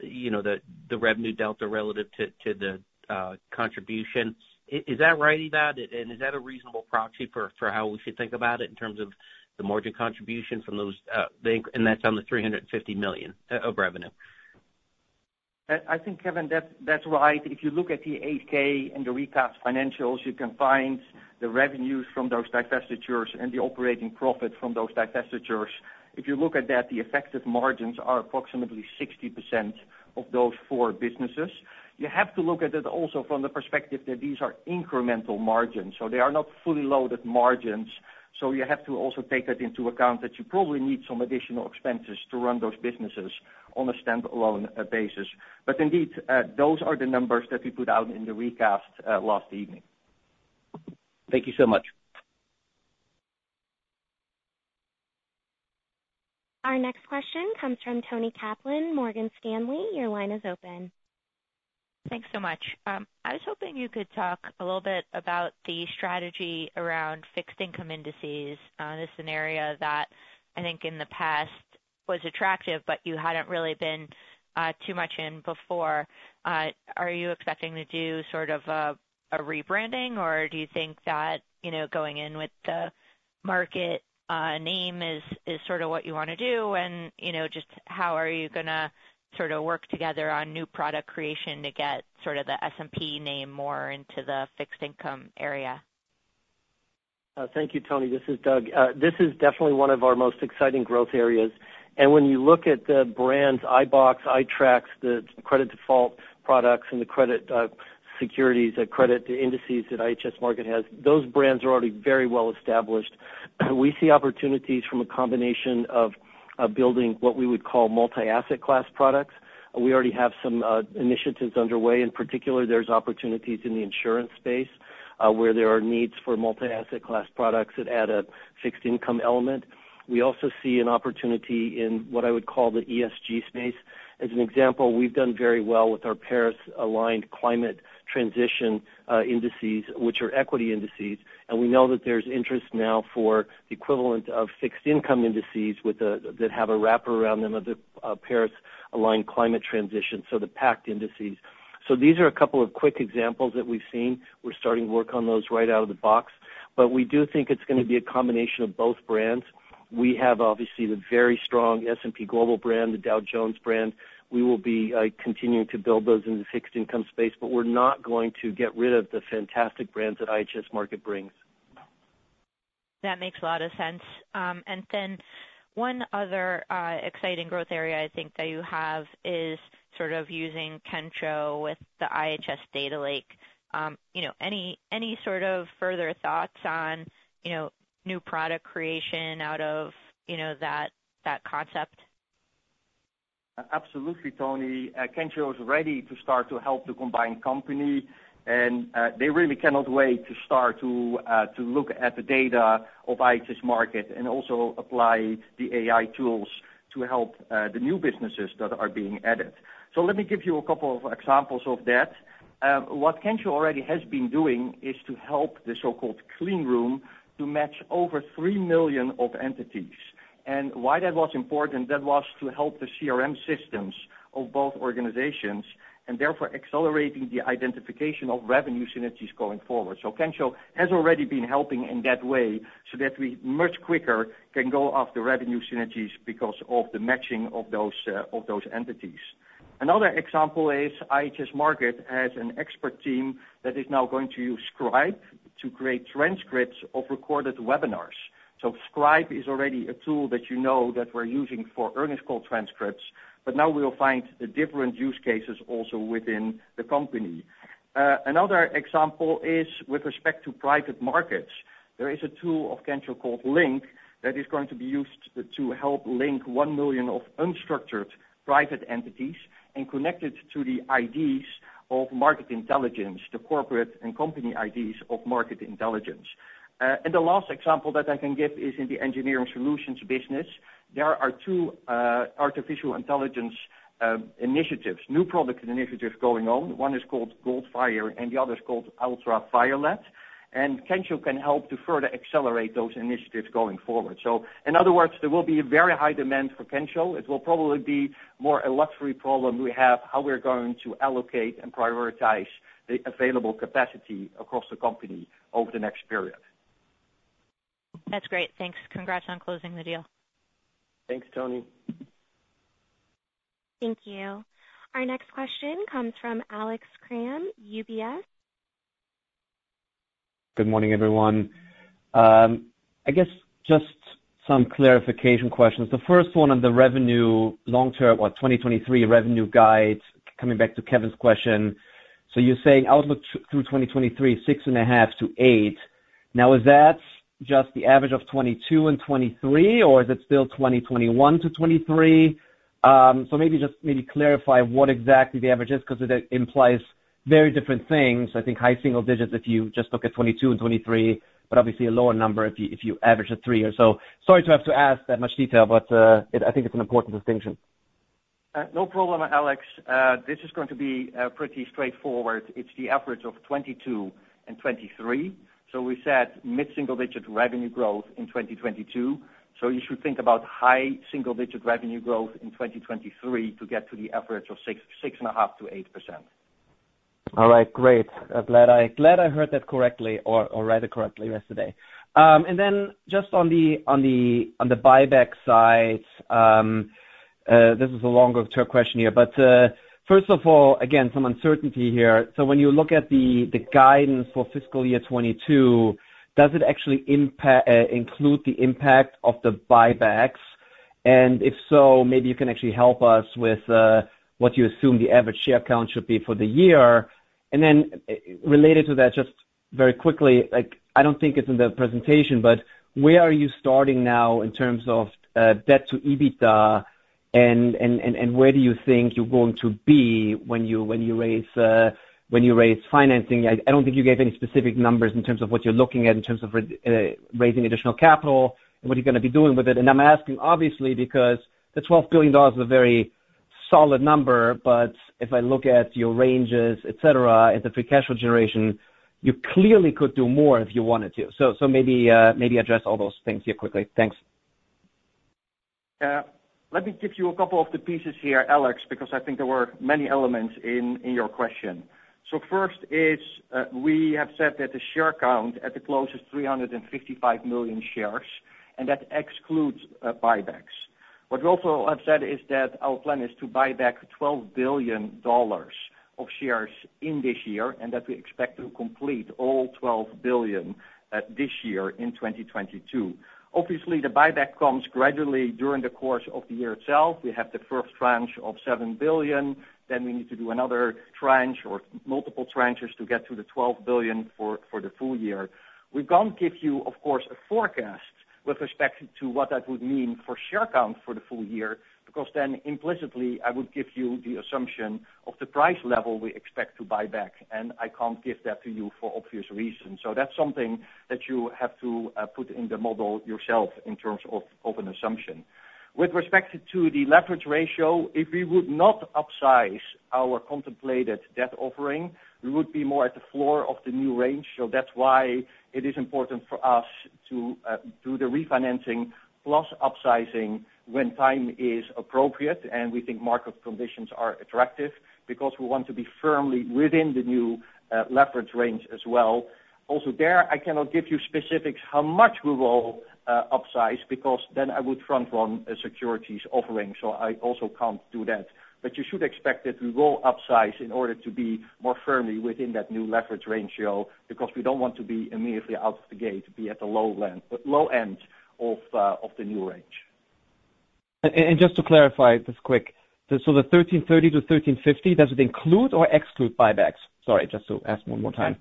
you know, the revenue delta relative to the contribution. Is that right, Ewout? And is that a reasonable proxy for how we should think about it in terms of the margin contribution from those, the inc. And that's on the $350 million of revenue. I think, Kevin, that's right. If you look at the 8-K and the recast financials, you can find the revenues from those divestitures and the operating profit from those divestitures. If you look at that, the effective margins are approximately 60% of those four businesses. You have to look at it also from the perspective that these are incremental margins, so they are not fully loaded margins. You have to also take that into account that you probably need some additional expenses to run those businesses on a standalone basis. Indeed, those are the numbers that we put out in the recast last evening. Thank you so much. Our next question comes from Toni Kaplan, Morgan Stanley. Your line is open. Thanks so much. I was hoping you could talk a little bit about the strategy around fixed income indices. The scenario that I think in the past was attractive, but you hadn't really been too much in before. Are you expecting to do sort of a rebranding, or do you think that, you know, going in with the market name is sort of what you wanna do? You know, just how are you gonna sorta work together on new product creation to get sorta the S&P name more into the fixed income area? Thank you, Toni. This is Doug. This is definitely one of our most exciting growth areas. When you look at the brands, iBoxx, iTraxx, the credit default products and the credit securities, the credit indices that IHS Markit has, those brands are already very well established. We see opportunities from a combination of building what we would call multi-asset class products. We already have some initiatives underway. In particular, there's opportunities in the insurance space, where there are needs for multi-asset class products that add a fixed income element. We also see an opportunity in what I would call the ESG space. As an example, we've done very well with our Paris-Aligned Climate Transition Indices, which are equity indices, and we know that there's interest now for the equivalent of fixed income indices with the, that have a wrapper around them of the Paris-Aligned Climate Transition, so the PACT Indices. These are a couple of quick examples that we've seen. We're starting to work on those right out of the box. We do think it's gonna be a combination of both brands. We have obviously the very strong S&P Global brand, the Dow Jones brand. We will be continuing to build those in the fixed income space, but we're not going to get rid of the fantastic brands that IHS Markit brings. That makes a lot of sense. One other exciting growth area I think that you have is sort of using Kensho with the IHS Markit Data Lake. You know, any sort of further thoughts on, you know, new product creation out of, you know, that concept? Absolutely, Toni. Kensho is ready to start to help the combined company, and they really cannot wait to start to look at the data of IHS Markit and also apply the AI tools to help the new businesses that are being added. Let me give you a couple of examples of that. What Kensho already has been doing is to help the so-called clean room to match over 3 million of entities. Why that was important, that was to help the CRM systems of both organizations, and therefore accelerating the identification of revenue synergies going forward. Kensho has already been helping in that way so that we much quicker can go after revenue synergies because of the matching of those entities. Another example is IHS Markit has an expert team that is now going to use Scribe to create transcripts of recorded webinars. Scribe is already a tool that you know that we're using for earnings call transcripts, but now we'll find different use cases also within the company. Another example is with respect to private markets. There is a tool of Kensho called Link that is going to be used to help link 1 million of unstructured private entities and connect it to the IDs of Market Intelligence, the corporate and company IDs of Market Intelligence. The last example that I can give is in the Engineering Solutions business. There are two artificial intelligence initiatives, new product initiatives going on. One is called Goldfire and the other's called Ultraviolet. Kensho can help to further accelerate those initiatives going forward. In other words, there will be a very high demand for Kensho. It will probably be more a luxury problem we have, how we're going to allocate and prioritize the available capacity across the company over the next period. That's great. Thanks. Congrats on closing the deal. Thanks, Toni. Thank you. Our next question comes from Alex Kramm, UBS. Good morning, everyone. I guess just some clarification questions. The first one on the revenue long-term or 2023 revenue guide, coming back to Kevin's question. So you're saying outlook through 2023, 6.5%-8%. Now, is that just the average of 2022 and 2023, or is it still 2021-2023? So maybe just clarify what exactly the average is because it implies very different things. I think high single digits if you just look at 2022 and 2023, but obviously a lower number if you average the three or so. Sorry to have to ask that much detail, but I think it's an important distinction. No problem, Alex. This is going to be pretty straightforward. It's the average of 2022 and 2023. We said mid-single-digit revenue growth in 2022. You should think about high single-digit revenue growth in 2023 to get to the average of 6.5%-8%. All right, great. Glad I heard that correctly or read it correctly yesterday. And then just on the buyback side, this is a longer term question here. First of all, again, some uncertainty here. When you look at the guidance for fiscal year 2022, does it actually include the impact of the buybacks? And if so, maybe you can actually help us with what you assume the average share count should be for the year. And then, related to that, just very quickly, like, I don't think it's in the presentation, but where are you starting now in terms of debt to EBITDA? And where do you think you're going to be when you raise financing? I don't think you gave any specific numbers in terms of what you're looking at in terms of raising additional capital and what you're gonna be doing with it. I'm asking obviously because the $12 billion is a very solid number. If I look at your ranges, et cetera, and the free cash flow generation, you clearly could do more if you wanted to. Maybe address all those things here quickly. Thanks. Let me give you a couple of the pieces here, Alex, because I think there were many elements in your question. First is, we have said that the share count at the close is 355 million shares, and that excludes buybacks. What we also have said is that our plan is to buy back $12 billion of shares in this year, and that we expect to complete all $12 billion this year in 2022. Obviously, the buyback comes gradually during the course of the year itself. We have the first tranche of $7 billion, then we need to do another tranche or multiple tranches to get to the $12 billion for the full year. We can't give you, of course, a forecast with respect to what that would mean for share count for the full year, because then implicitly, I would give you the assumption of the price level we expect to buy back, and I can't give that to you for obvious reasons. That's something that you have to, put in the model yourself in terms of, an assumption. With respect to the leverage ratio, if we would not upsize our contemplated debt offering, we would be more at the floor of the new range. That's why it is important for us to, do the refinancing plus upsizing when time is appropriate, and we think market conditions are attractive because we want to be firmly within the new, leverage range as well. Also there, I cannot give you specifics how much we will upsize because then I would front run a securities offering, so I also can't do that. You should expect that we will upsize in order to be more firmly within that new leverage ratio, because we don't want to be immediately out of the gate, be at the low end of the new range. Just to clarify this quickly. The $13.30-$13.50, does it include or exclude buybacks? Sorry, just to ask one more time.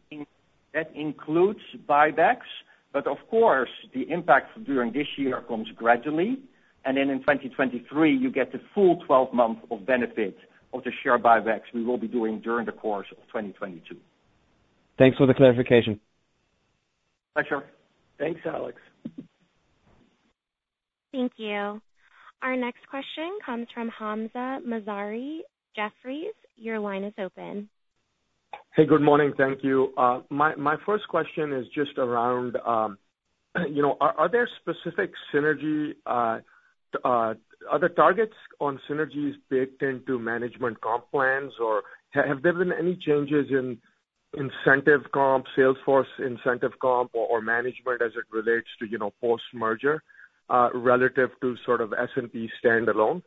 That includes buybacks, but of course, the impact during this year comes gradually. Then in 2023, you get the full 12-month benefit of the share buybacks we will be doing during the course of 2022. Thanks for the clarification. Pleasure. Thanks, Alex. Thank you. Our next question comes from Hamzah Mazari, Jefferies. Your line is open. Hey, good morning. Thank you. My first question is just around, you know, are the targets on synergies baked into management comp plans, or have there been any changes in incentive comp, sales force incentive comp or management as it relates to, you know, post-merger relative to sort of S&P standalone?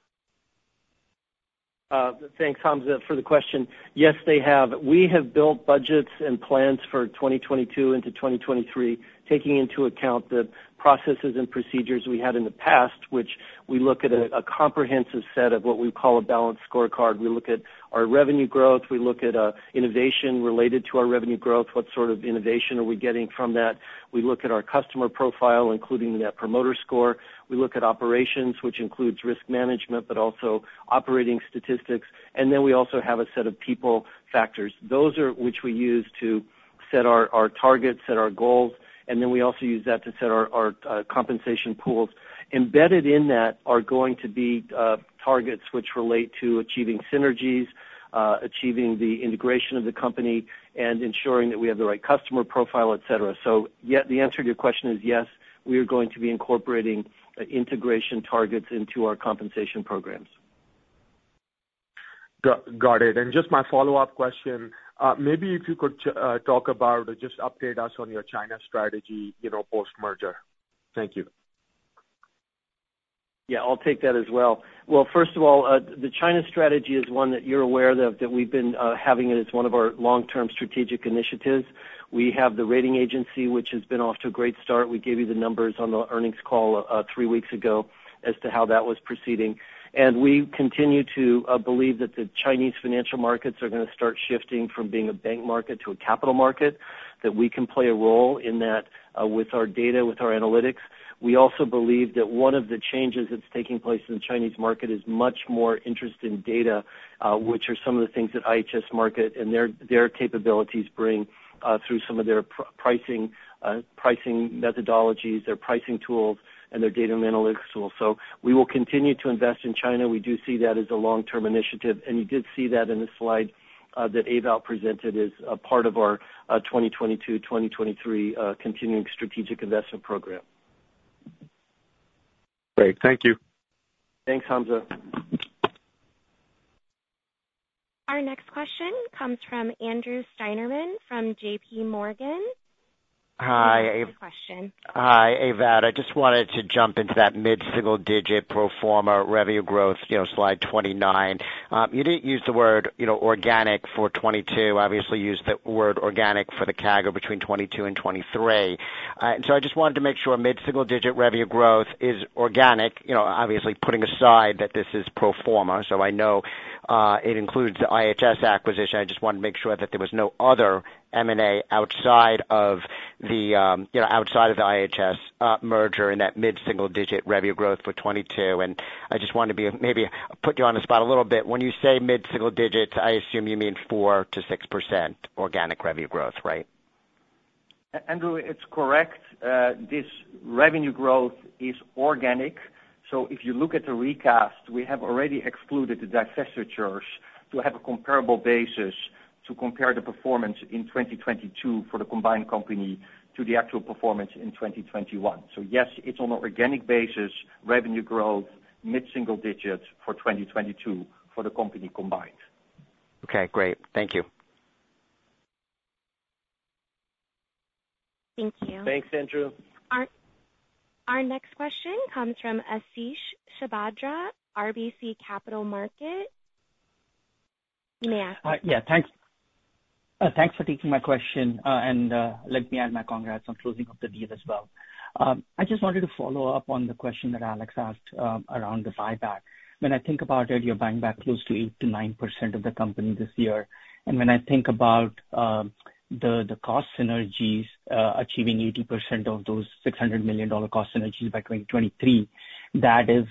Thanks, Hamzah, for the question. Yes, they have. We have built budgets and plans for 2022 into 2023, taking into account the processes and procedures we had in the past, which we look at a comprehensive set of what we call a balanced scorecard. We look at our revenue growth, we look at innovation related to our revenue growth, what sort of innovation are we getting from that? We look at our customer profile, including the Net Promoter Score. We look at operations, which includes risk management, but also operating statistics. Then we also have a set of people factors. Those are which we use to set our targets, set our goals, and then we also use that to set our compensation pools. Embedded in that are going to be targets which relate to achieving synergies, achieving the integration of the company and ensuring that we have the right customer profile, et cetera. Yes, the answer to your question is, we are going to be incorporating integration targets into our compensation programs. Got it. Just my follow-up question, maybe if you could talk about or just update us on your China strategy, you know, post-merger. Thank you. Yeah, I'll take that as well. Well, first of all, the China strategy is one that you're aware of that we've been having it as one of our long-term strategic initiatives. We have the rating agency, which has been off to a great start. We gave you the numbers on the earnings call three weeks ago as to how that was proceeding. We continue to believe that the Chinese financial markets are gonna start shifting from being a bank market to a capital market, that we can play a role in that with our data, with our analytics. We also believe that one of the changes that's taking place in the Chinese market is much more interest in data, which are some of the things that IHS Markit and their capabilities bring, through some of their pricing methodologies, their pricing tools and their data and analytics tools. We will continue to invest in China. We do see that as a long-term initiative, and you did see that in the slide that Ewout presented as a part of our 2022, 2023 continuing strategic investment program. Great. Thank you. Thanks, Hamzah. Our next question comes from Andrew Steinerman from JP.Morgan. Hi. Your question. Hi, Ewout. I just wanted to jump into that mid-single digit pro forma revenue growth, you know, slide 29. You didn't use the word, you know, organic for 2022. Obviously, you used the word organic for the CAGR between 2022 and 2023. So I just wanted to make sure mid-single digit revenue growth is organic. You know, obviously putting aside that this is pro forma, so I know it includes the IHS acquisition. I just wanted to make sure that there was no other M&A outside of the, you know, outside of the IHS merger in that mid-single digit revenue growth for 2022. I just wanted to maybe put you on the spot a little bit. When you say mid-single digits, I assume you mean 4%-6% organic revenue growth, right? Andrew, it's correct. This revenue growth is organic, so if you look at the recast, we have already excluded the divestitures to have a comparable basis to compare the performance in 2022 for the combined company to the actual performance in 2021. Yes, it's an organic basis, revenue growth, mid-single digits for 2022 for the company combined. Okay, great. Thank you. Thank you. Thanks, Andrew. Our next question comes from Ashish Sabadra, RBC Capital Markets. You may ask. Yeah, thanks. Thanks for taking my question. Let me add my congrats on closing up the deal as well. I just wanted to follow up on the question that Alex asked, around the buyback. When I think about it, you're buying back close to 8%-9% of the company this year. When I think about the cost synergies, achieving 80% of those $600 million cost synergies by 2023, that is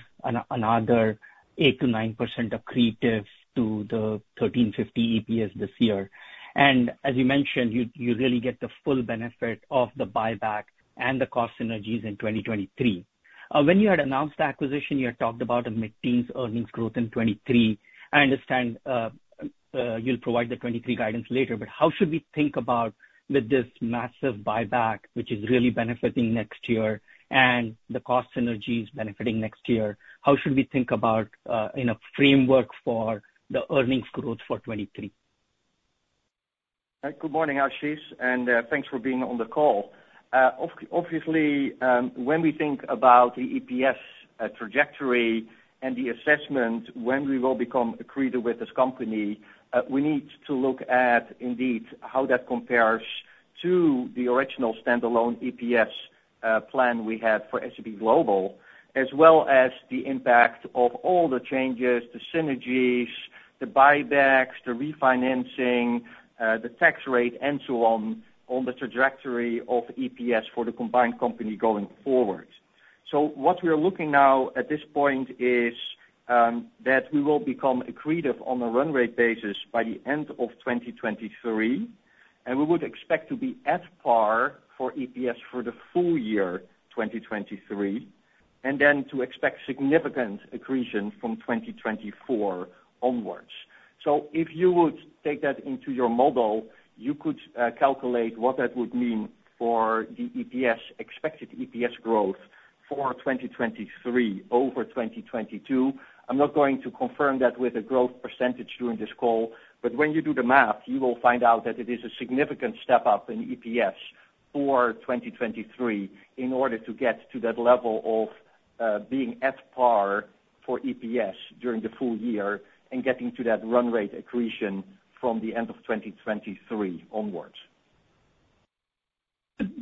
another 8%-9% accretive to the 13.50 EPS this year. As you mentioned, you really get the full benefit of the buyback and the cost synergies in 2023. When you had announced the acquisition, you had talked about a mid-teens earnings growth in 2023. I understand you'll provide the 2023 guidance later, but how should we think about with this massive buyback, which is really benefiting next year and the cost synergies benefiting next year, how should we think about in a framework for the earnings growth for 2023? Good morning, Ashish, and thanks for being on the call. Obviously, when we think about the EPS trajectory and the assessment when we will become accretive with this company, we need to look at indeed how that compares to the original standalone EPS plan we had for S&P Global, as well as the impact of all the changes, the synergies, the buybacks, the refinancing, the tax rate and so on the trajectory of EPS for the combined company going forward. What we are looking now at this point is that we will become accretive on a run rate basis by the end of 2023, and we would expect to be at par for EPS for the full year 2023, and then to expect significant accretion from 2024 onwards. If you would take that into your model, you could calculate what that would mean for the EPS, expected EPS growth for 2023 over 2022. I'm not going to confirm that with a growth percentage during this call, but when you do the math, you will find out that it is a significant step up in EPS for 2023 in order to get to that level of being at par for EPS during the full year and getting to that run rate accretion from the end of 2023 onwards.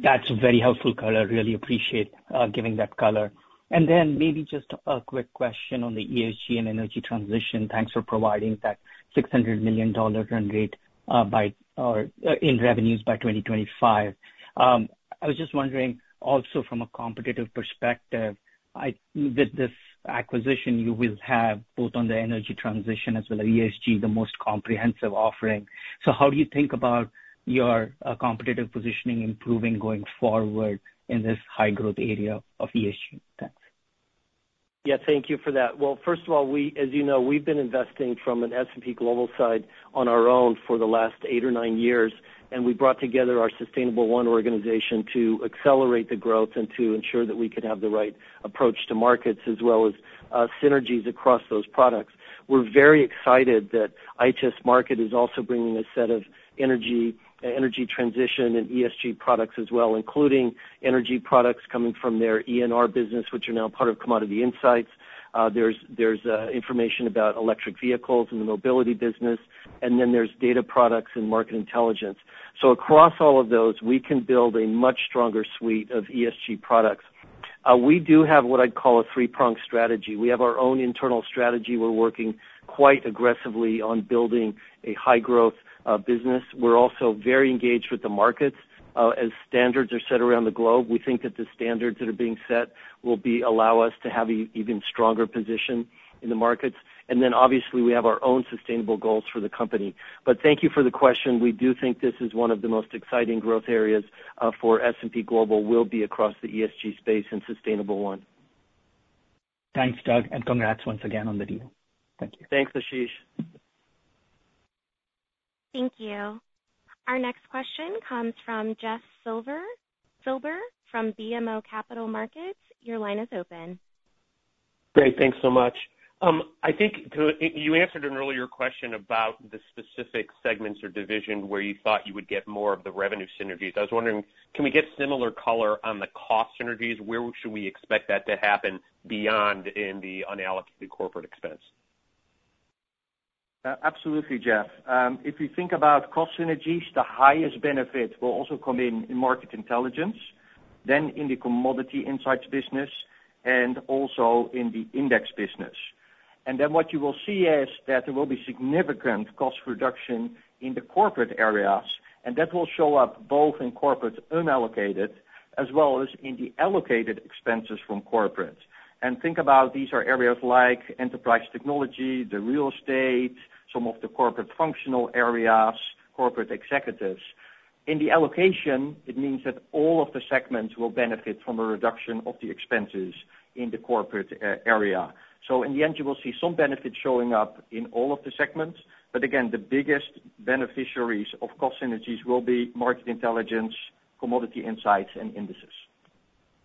That's very helpful color. Really appreciate giving that color. Maybe just a quick question on the ESG and energy transition. Thanks for providing that $600 million run rate in revenues by 2025. I was just wondering also from a competitive perspective, with this acquisition, you will have both on the energy transition as well as ESG, the most comprehensive offering. How do you think about your competitive positioning improving going forward in this high growth area of ESG? Thanks. Yeah, thank you for that. Well, first of all, as you know, we've been investing from an S&P Global side on our own for the last eight or nine years, and we brought together our Sustainable1 organization to accelerate the growth and to ensure that we could have the right approach to markets as well as synergies across those products. We're very excited that IHS Markit is also bringing a set of energy transition and ESG products as well, including energy products coming from their ENR business, which are now part of Commodity Insights. There's information about electric vehicles in the Mobility business, and then there's data products and Market Intelligence. Across all of those, we can build a much stronger suite of ESG products. We do have what I'd call a three-pronged strategy. We have our own internal strategy. We're working quite aggressively on building a high-growth business. We're also very engaged with the markets. As standards are set around the globe, we think that the standards that are being set will allow us to have even stronger position in the markets. Then, obviously, we have our own sustainable goals for the company. Thank you for the question. We do think this is one of the most exciting growth areas for S&P Global will be across the ESG space and Sustainable1. Thanks, Doug, and congrats once again on the deal. Thank you. Thanks, Ashish. Thank you. Our next question comes from Jeff Silber from BMO Capital Markets. Your line is open. Great, thanks so much. I think you answered an earlier question about the specific segments or division where you thought you would get more of the revenue synergies. I was wondering, can we get similar color on the cost synergies? Where should we expect that to happen beyond the unallocated corporate expense? Absolutely, Jeff. If you think about cost synergies, the highest benefit will also come in Market Intelligence, then in the Commodity Insights business and also in the Index business. What you will see is that there will be significant cost reduction in the corporate areas, and that will show up both in corporate unallocated as well as in the allocated expenses from corporate. Think about, these are areas like enterprise technology, the real estate, some of the corporate functional areas, corporate executives. In the allocation, it means that all of the segments will benefit from a reduction of the expenses in the corporate area. In the end, you will see some benefits showing up in all of the segments, but again, the biggest beneficiaries of cost synergies will be Market Intelligence, Commodity Insights, and Indices.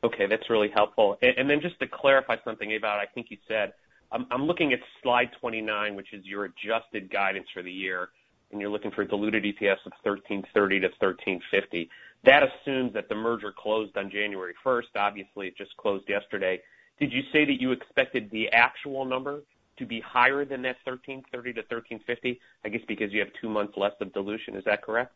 Okay, that's really helpful. Then just to clarify something about, I think you said, I'm looking at slide 29, which is your adjusted guidance for the year, and you're looking for diluted EPS of $13.30-$13.50. That assumes that the merger closed on January first. Obviously, it just closed yesterday. Did you say that you expected the actual number to be higher than that $13.30-$13.50, I guess, because you have two months less of dilution? Is that correct?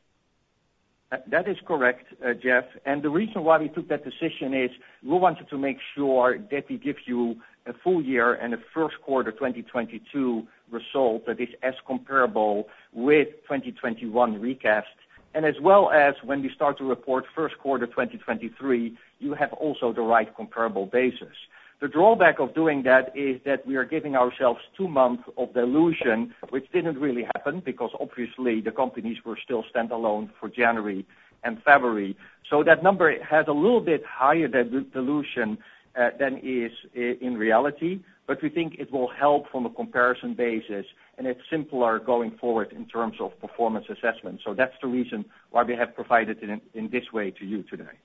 That is correct, Jeff. The reason why we took that decision is we wanted to make sure that we give you a full year and a first quarter 2022 result that is as comparable with 2021 recast. As well as when we start to report first quarter 2023, you have also the right comparable basis. The drawback of doing that is that we are giving ourselves two months of dilution, which didn't really happen because obviously the companies were still standalone for January and February. That number has a little bit higher de-dilution than is in reality, but we think it will help from a comparison basis, and it's simpler going forward in terms of performance assessment. That's the reason why we have provided it in this way to you today.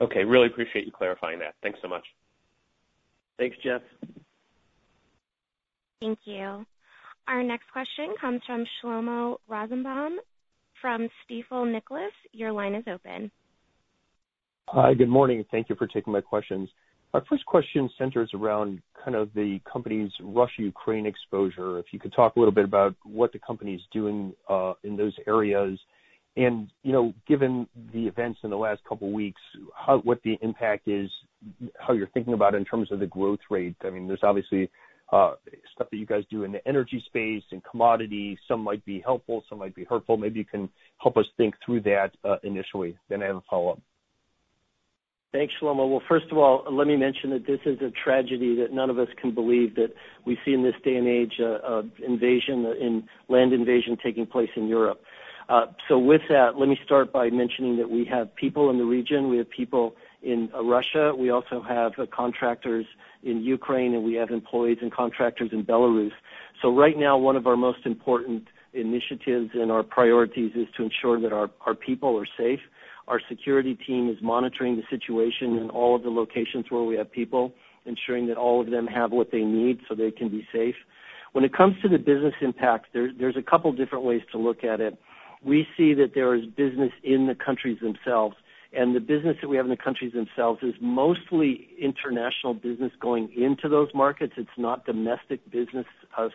Okay. Really appreciate you clarifying that. Thanks so much. Thanks, Jeff. Thank you. Our next question comes from Shlomo Rosenbaum from Stifel Nicolaus. Your line is open. Hi, good morning. Thank you for taking my questions. My first question centers around kind of the company's Russia-Ukraine exposure. If you could talk a little bit about what the company is doing in those areas. You know, given the events in the last couple weeks, what the impact is, how you're thinking about in terms of the growth rate. I mean, there's obviously stuff that you guys do in the energy space and commodity. Some might be helpful, some might be hurtful. Maybe you can help us think through that initially, then I have a follow-up. Thanks, Shlomo. Well, first of all, let me mention that this is a tragedy that none of us can believe that we see in this day and age of invasion and land invasion taking place in Europe. With that, let me start by mentioning that we have people in the region. We have people in Russia. We also have contractors in Ukraine, and we have employees and contractors in Belarus. Right now, one of our most important initiatives and our priorities is to ensure that our people are safe. Our security team is monitoring the situation in all of the locations where we have people, ensuring that all of them have what they need so they can be safe. When it comes to the business impact, there's a couple different ways to look at it. We see that there is business in the countries themselves, and the business that we have in the countries themselves is mostly international business going into those markets. It's not domestic business,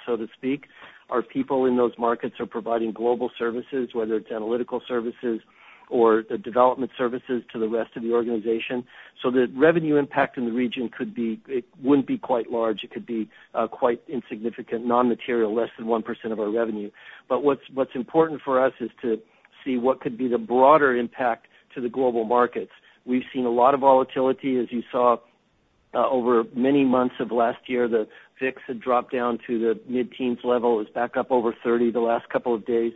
so to speak. Our people in those markets are providing global services, whether it's analytical services or development services to the rest of the organization. The revenue impact in the region wouldn't be quite large. It could be quite insignificant, non-material, less than 1% of our revenue. What's important for us is to see what could be the broader impact to the global markets. We've seen a lot of volatility, as you saw, over many months of last year, the VIX had dropped down to the mid-teens level. It was back up over 30 the last couple of days.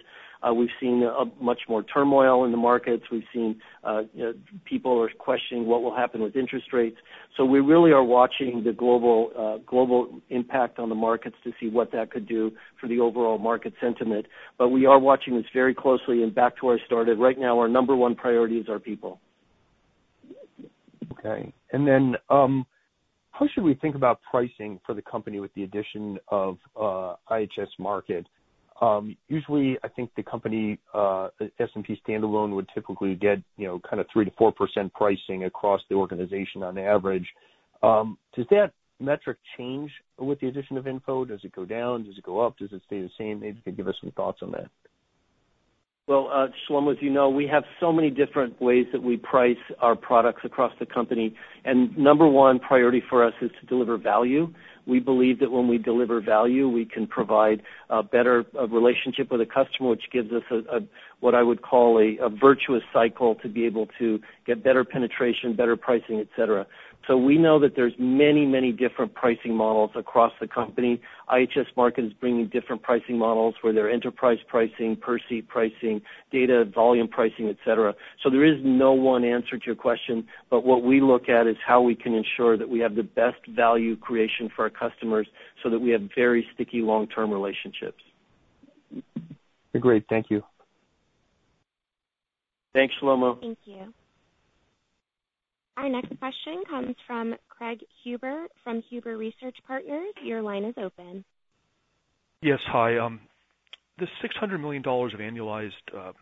We've seen much more turmoil in the markets. We've seen, you know, people are questioning what will happen with interest rates. We really are watching the global impact on the markets to see what that could do for the overall market sentiment. We are watching this very closely. Back to where I started, right now, our number one priority is our people. How should we think about pricing for the company with the addition of IHS Markit? Usually I think the company, S&P standalone would typically get, you know, kind of 3%-4% pricing across the organization on average. Does that metric change with the addition of IHS Markit? Does it go down? Does it go up? Does it stay the same? If you could give us some thoughts on that. Well, Shlomo, as you know, we have so many different ways that we price our products across the company, and number one priority for us is to deliver value. We believe that when we deliver value, we can provide a better relationship with a customer, which gives us a what I would call a virtuous cycle to be able to get better penetration, better pricing, et cetera. We know that there's many, many different pricing models across the company. IHS Markit is bringing different pricing models where there are enterprise pricing, per seat pricing, data volume pricing, et cetera. There is no one answer to your question, but what we look at is how we can ensure that we have the best value creation for our customers so that we have very sticky long-term relationships. Great. Thank you. Thanks, Shlomo. Thank you. Our next question comes from Craig Huber from Huber Research Partners. Your line is open. Yes, hi. The $600 million of annualized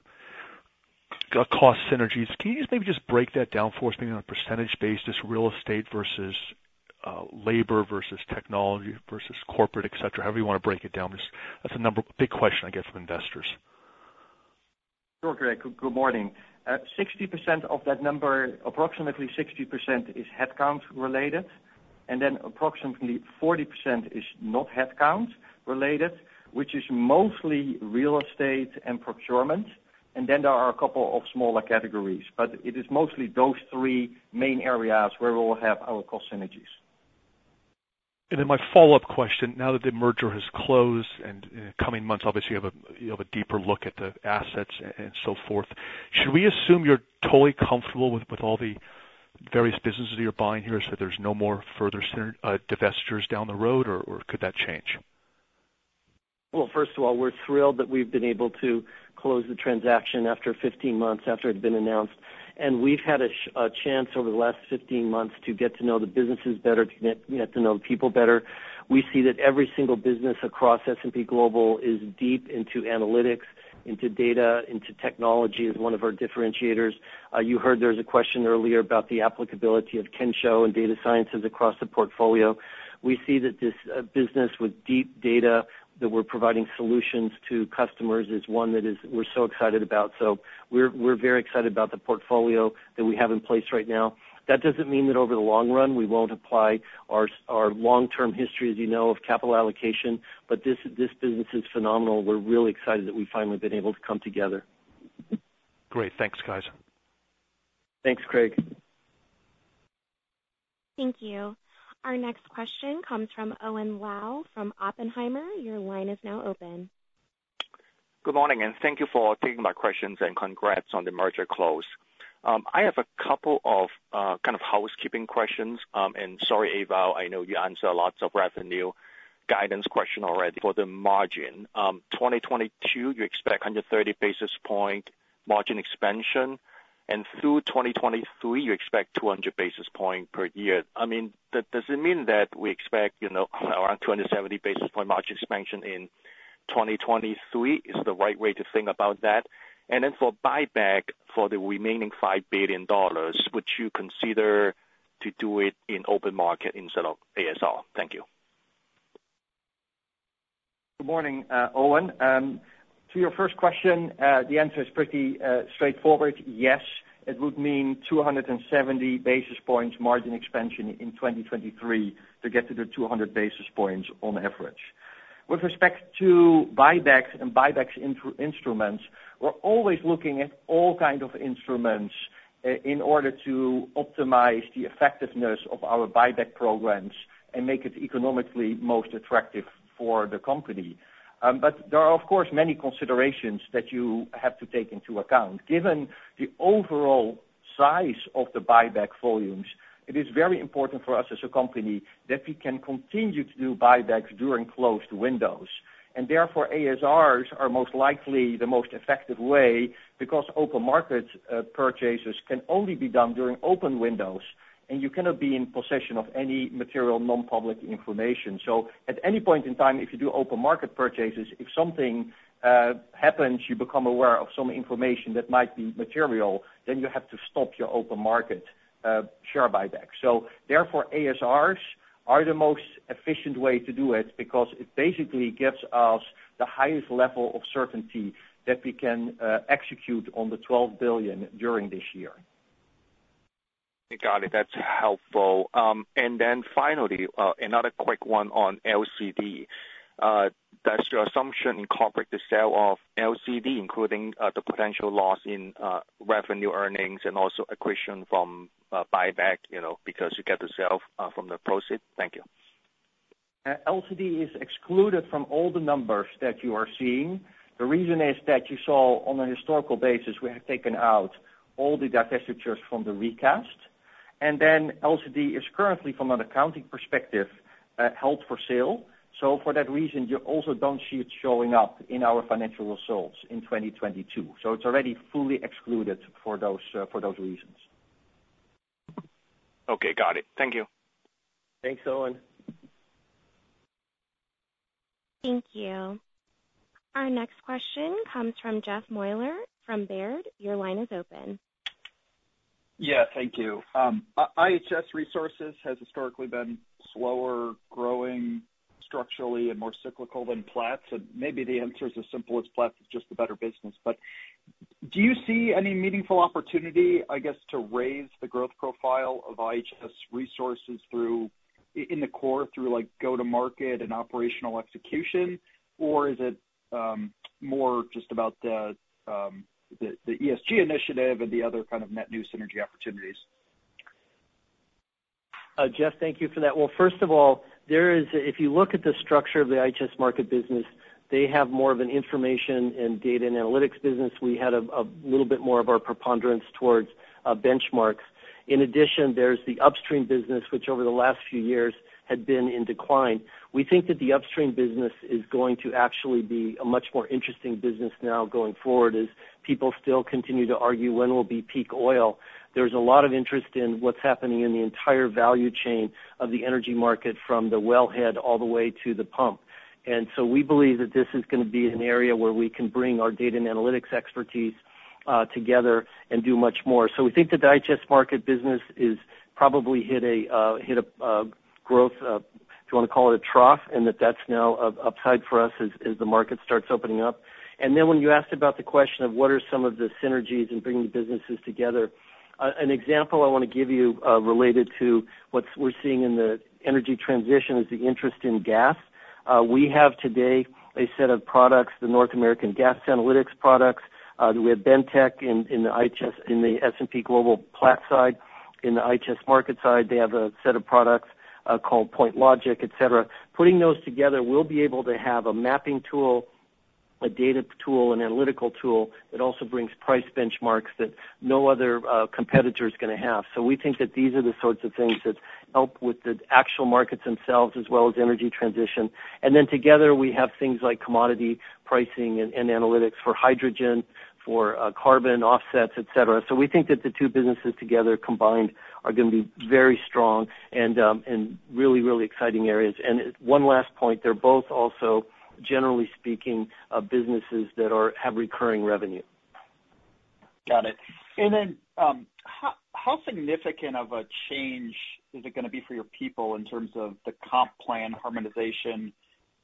cost synergies, can you just maybe just break that down for us, maybe on a percentage basis, real estate versus labor versus technology versus corporate, et cetera, however you wanna break it down? Just, that's a number, big question I get from investors. Sure, Craig. Good morning. 60% of that number, approximately 60% is headcount related, and then approximately 40% is not headcount related, which is mostly real estate and procurement. There are a couple of smaller categories, but it is mostly those three main areas where we'll have our cost synergies. My follow-up question, now that the merger has closed and in the coming months, obviously you have a deeper look at the assets and so forth, should we assume you're totally comfortable with all the various businesses you're buying here, so there's no more further divestitures down the road, or could that change? Well, first of all, we're thrilled that we've been able to close the transaction after 15 months after it had been announced. We've had a chance over the last 15 months to get to know the businesses better, to get to know the people better. We see that every single business across S&P Global is deep into analytics, into data, into technology as one of our differentiators. You heard there was a question earlier about the applicability of Kensho and data sciences across the portfolio. We see that this business with deep data that we're providing solutions to customers is one that is we're so excited about. We're very excited about the portfolio that we have in place right now. That doesn't mean that over the long run we won't apply our long-term history, as you know, of capital allocation, but this business is phenomenal. We're really excited that we've finally been able to come together. Great. Thanks, guys. Thanks, Craig. Thank you. Our next question comes from Owen Lau from Oppenheimer. Your line is now open. Good morning, and thank you for taking my questions, and congrats on the merger close. I have a couple of kind of housekeeping questions. And sorry, Ewout, I know you answered lots of revenue guidance question already. For the margin, 2022, you expect 130 basis point margin expansion, and through 2023, you expect 200 basis point per year. I mean, does it mean that we expect, you know, around 270 basis point margin expansion in 2023? Is the right way to think about that? And then for buyback for the remaining $5 billion, would you consider to do it in open market instead of ASR? Thank you. Good morning, Owen. To your first question, the answer is pretty straightforward. Yes, it would mean 270 basis points margin expansion in 2023 to get to the 200 basis points on average. With respect to buybacks and buyback instruments, we're always looking at all kind of instruments in order to optimize the effectiveness of our buyback programs and make it economically most attractive for the company. There are, of course, many considerations that you have to take into account. Given the overall size of the buyback volumes, it is very important for us as a company that we can continue to do buybacks during closed windows, and therefore ASRs are most likely the most effective way because open market purchases can only be done during open windows, and you cannot be in possession of any material non-public information. At any point in time, if you do open market purchases, if something happens, you become aware of some information that might be material, then you have to stop your open market share buybacks. Therefore, ASRs are the most efficient way to do it because it basically gives us the highest level of certainty that we can execute on the $12 billion during this year. Got it. That's helpful. Finally, another quick one on LCDs. Does your assumption incorporate the sale of LCD, including the potential loss in revenue and earnings and also accretion from buyback, you know, because you get the proceeds from the sale? Thank you. LCD is excluded from all the numbers that you are seeing. The reason is that you saw on a historical basis we have taken out all the divestitures from the recast. LCD is currently from an accounting perspective held for sale. For that reason, you also don't see it showing up in our financial results in 2022. It's already fully excluded for those reasons. Okay, got it. Thank you. Thanks, Owen. Thank you. Our next question comes from Jeff Meuler from Baird. Your line is open. Yeah, thank you. IHS Resources has historically been slower growing structurally and more cyclical than Platts. Maybe the answer is as simple as Platts is just a better business. Do you see any meaningful opportunity, I guess, to raise the growth profile of IHS Resources through in the core through like go to market and operational execution? Or is it more just about the ESG initiative and the other kind of net new synergy opportunities? Jeff, thank you for that. Well, first of all, if you look at the structure of the IHS Markit business, they have more of an information and data and analytics business. We had a little bit more of our preponderance towards benchmarks. In addition, there's the upstream business, which over the last few years had been in decline. We think that the upstream business is going to actually be a much more interesting business now going forward, as people still continue to argue when will be peak oil. There's a lot of interest in what's happening in the entire value chain of the energy market from the wellhead all the way to the pump. So, we believe that this is gonna be an area where we can bring our data and analytics expertise together and do much more. We think the IHS Markit business is probably hit a growth, if you wanna call it a trough, and that's now upside for us as the market starts opening up. When you asked about the question of what are some of the synergies in bringing the businesses together, an example I wanna give you related to what we're seeing in the energy transition is the interest in gas. We have today a set of products, the North American Gas Analytics products. We have Bentek in the S&P Global Platts side. In the IHS Markit side, they have a set of products called PointLogic, et cetera. Putting those together, we'll be able to have a mapping tool, a data tool, an analytical tool that also brings price benchmarks that no other competitor is gonna have. We think that these are the sorts of things that help with the actual markets themselves as well as energy transition. Together, we have things like commodity pricing and analytics for hydrogen, for carbon offsets, et cetera. We think that the two businesses together combined are gonna be very strong and really, really exciting areas. One last point, they're both also, generally speaking, businesses that have recurring revenue. Got it. How significant of a change is it gonna be for your people in terms of the comp plan harmonization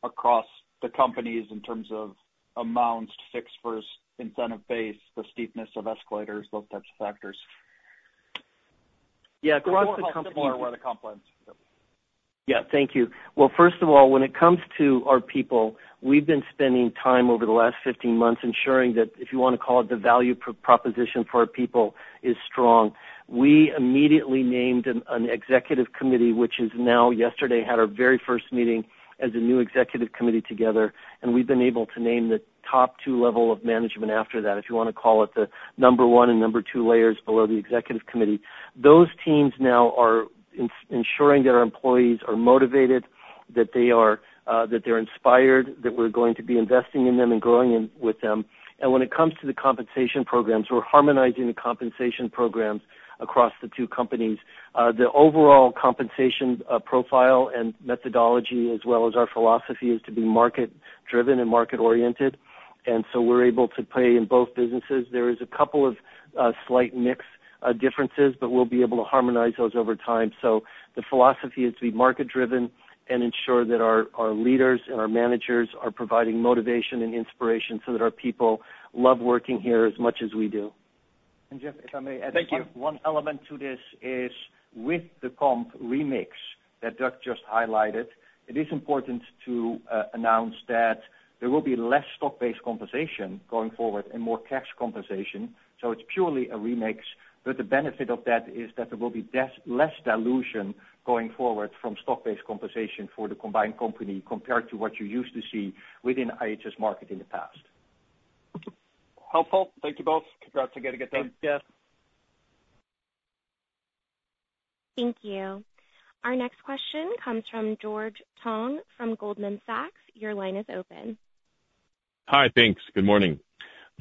across the companies in terms of amounts fixed versus incentive base, the steepness of escalators, those types of factors? Yeah, across the company. Similar with the comp plans. Yeah. Thank you. Well, first of all, when it comes to our people, we've been spending time over the last 15 months ensuring that if you wanna call it the value proposition for our people is strong. We immediately named an executive committee, which now yesterday had our very first meeting as a new executive committee together, and we've been able to name the top two level of management after that, if you wanna call it the number one and number two layers below the executive committee. Those teams now are ensuring that our employees are motivated, that they are, that they're inspired, that we're going to be investing in them and growing with them. When it comes to the compensation programs, we're harmonizing the compensation programs across the two companies. The overall compensation profile and methodology as well as our philosophy is to be market driven and market oriented. We're able to pay in both businesses. There is a couple of slight mix differences, but we'll be able to harmonize those over time. The philosophy is to be market driven and ensure that our leaders and our managers are providing motivation and inspiration so that our people love working here as much as we do. Jeff, if I may add one. Thank you. One element to this is with the comp remix that Doug just highlighted, it is important to announce that there will be less stock-based compensation going forward and more cash compensation. It's purely a remix. The benefit of that is that there will be less dilution going forward from stock-based compensation for the combined company compared to what you used to see within IHS Markit in the past. Okay. Helpful. Thank you both. Congrats again and good day. Thanks, Jeff. Thank you. Our next question comes from George Tong from Goldman Sachs. Your line is open. Hi. Thanks. Good morning.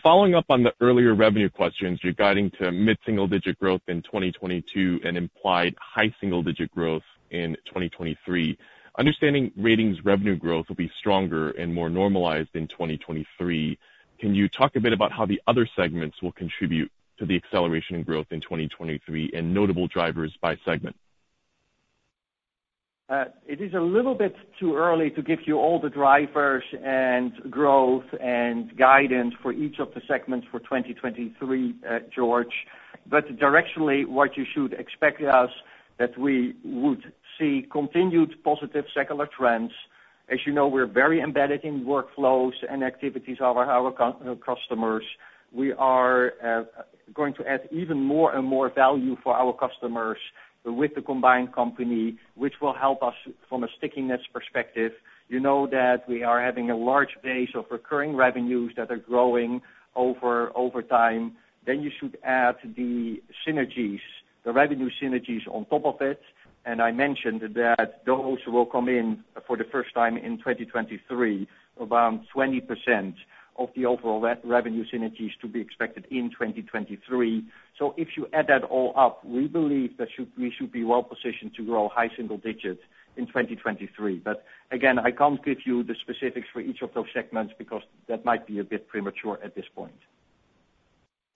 Following up on the earlier revenue questions regarding mid-single-digit growth in 2022 and implied high single-digit growth in 2023, understanding Ratings revenue growth will be stronger and more normalized in 2023, can you talk a bit about how the other segments will contribute to the acceleration in growth in 2023 and notable drivers by segment? It is a little bit too early to give you all the drivers and growth and guidance for each of the segments for 2023, George. But directionally, what you should expect is that we would see continued positive secular trends. As you know, we're very embedded in workflows and activities of our customers. We are going to add even more and more value for our customers with the combined company, which will help us from a stickiness perspective. You know that we are having a large base of recurring revenues that are growing over time. You should add the synergies, the revenue synergies on top of it. I mentioned that those will come in for the first time in 2023, around 20% of the overall revenue synergies to be expected in 2023. If you add that all up, we believe that we should be well-positioned to grow high single digits in 2023. Again, I can't give you the specifics for each of those segments because that might be a bit premature at this point.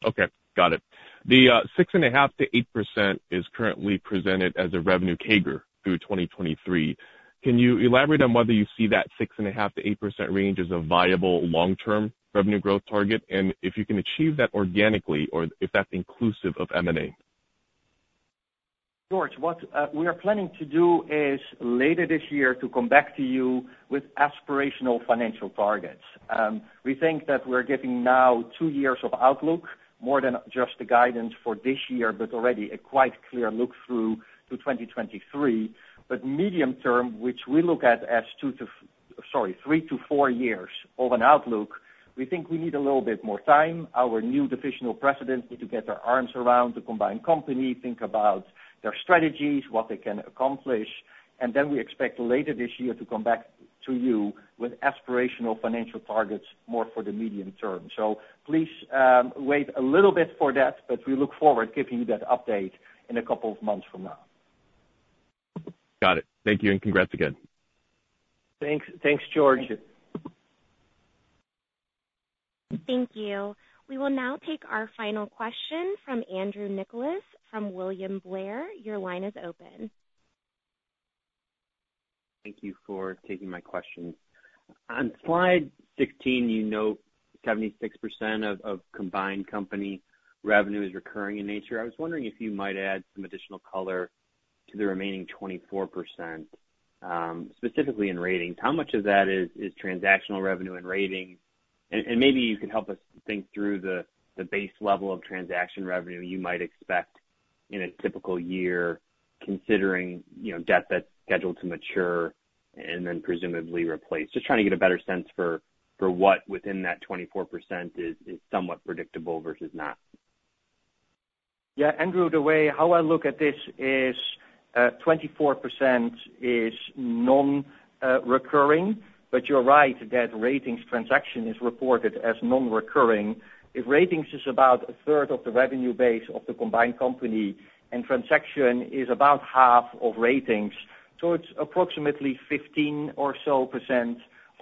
Okay, got it. The 6.5%-8% is currently presented as a revenue CAGR through 2023. Can you elaborate on whether you see that 6.5%-8% range as a viable long-term revenue growth target? If you can achieve that organically or if that's inclusive of M&A. George, what we are planning to do is later this year to come back to you with aspirational financial targets. We think that we're getting now two years of outlook, more than just the guidance for this year, but already a quite clear look through to 2023. Medium term, which we look at as three to four years of an outlook, we think we need a little bit more time. Our new divisional presidents need to get their arms around the combined company, think about their strategies, what they can accomplish. Then we expect later this year to come back to you with aspirational financial targets, more for the medium term. Please, wait a little bit for that, but we look forward to giving you that update in a couple of months from now. Got it. Thank you, and congrats again. Thanks. Thanks, George. Thank you. We will now take our final question from Andrew Nicholas from William Blair. Your line is open. Thank you for taking my question. On slide 16, you note 76% of combined company revenue is recurring in nature. I was wondering if you might add some additional color to the remaining 24%, specifically in Ratings. How much of that is transactional revenue in Ratings? Maybe you could help us think through the base level of transaction revenue you might expect in a typical year, considering you know debt that's scheduled to mature and then presumably replaced. Just trying to get a better sense for what within that 24% is somewhat predictable versus not. Yeah, Andrew, the way how I look at this is, 24% is non-recurring, but you're right that Ratings transactional is reported as non-recurring. If Ratings is about a third of the revenue base of the combined company, and transactional is about half of Ratings, it's approximately 15% or so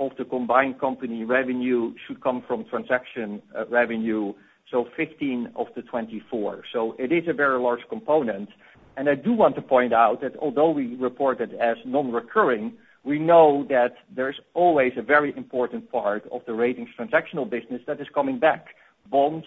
of the combined company revenue should come from transactional revenue, so 15 of the 24. It is a very large component. I do want to point out that although we report it as non-recurring, we know that there's always a very important part of the Ratings transactional business that is coming back. Bonds,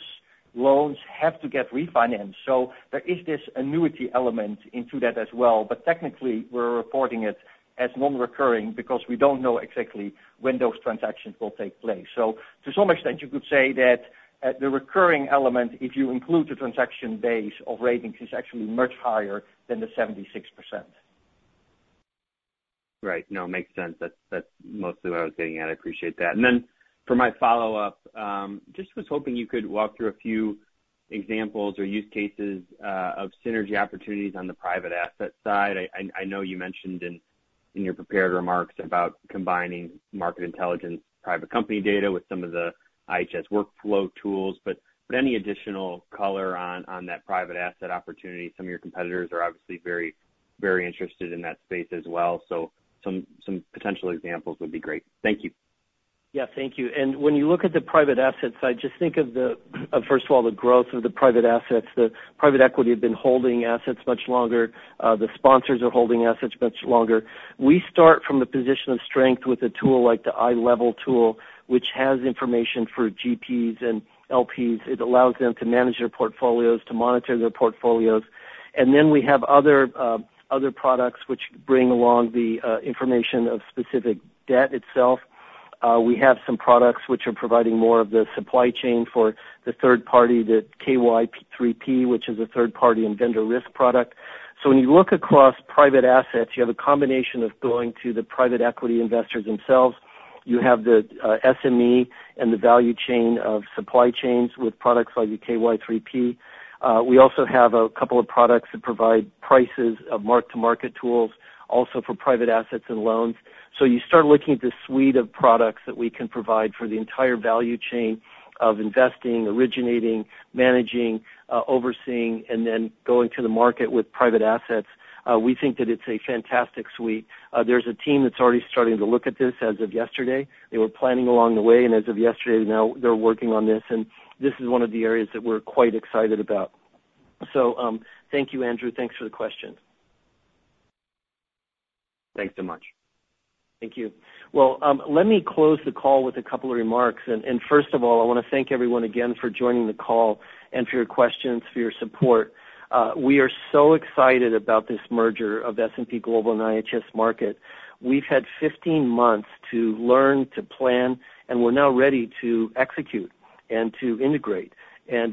loans have to get refinanced, so there is this annuity element into that as well. Technically, we're reporting it as non-recurring because we don't know exactly when those transactions will take place. To some extent, you could say that, the recurring element, if you include the transaction base of Ratings, is actually much higher than the 76%. Right. No, it makes sense. That's mostly what I was getting at. I appreciate that. Then for my follow-up, just was hoping you could walk through a few examples or use cases of synergy opportunities on the private asset side. I know you mentioned in your prepared remarks about combining Market Intelligence private company data with some of the IHS workflow tools, but any additional color on that private asset opportunity? Some of your competitors are obviously very, very interested in that space as well. Some potential examples would be great. Thank you. Yeah, thank you. When you look at the private assets side, just think of first of all, the growth of the private assets. The private equity have been holding assets much longer. The sponsors are holding assets much longer. We start from a position of strength with a tool like the iLEVEL tool, which has information for GPs and LPs. It allows them to manage their portfolios, to monitor their portfolios. Then we have other products which bring along the information of specific debt itself. We have some products which are providing more of the supply chain for the third party, the KY3P, which is a third-party and vendor risk product. When you look across private assets, you have a combination of going to the private equity investors themselves. You have the SME and the value chain of supply chains with products like the KY3P. We also have a couple of products that provide price or mark-to-market tools, also for private assets and loans. You start looking at the suite of products that we can provide for the entire value chain of investing, originating, managing, overseeing, and then going to the market with private assets. We think that it's a fantastic suite. There's a team that's already starting to look at this as of yesterday. They were planning along the way, and as of yesterday, now they're working on this, and this is one of the areas that we're quite excited about. Thank you, Andrew. Thanks for the question. Thanks so much. Thank you. Well, let me close the call with a couple of remarks. First of all, I want to thank everyone again for joining the call and for your questions, for your support. We are so excited about this merger of S&P Global and IHS Markit. We've had 15 months to learn, to plan, and we're now ready to execute and to integrate.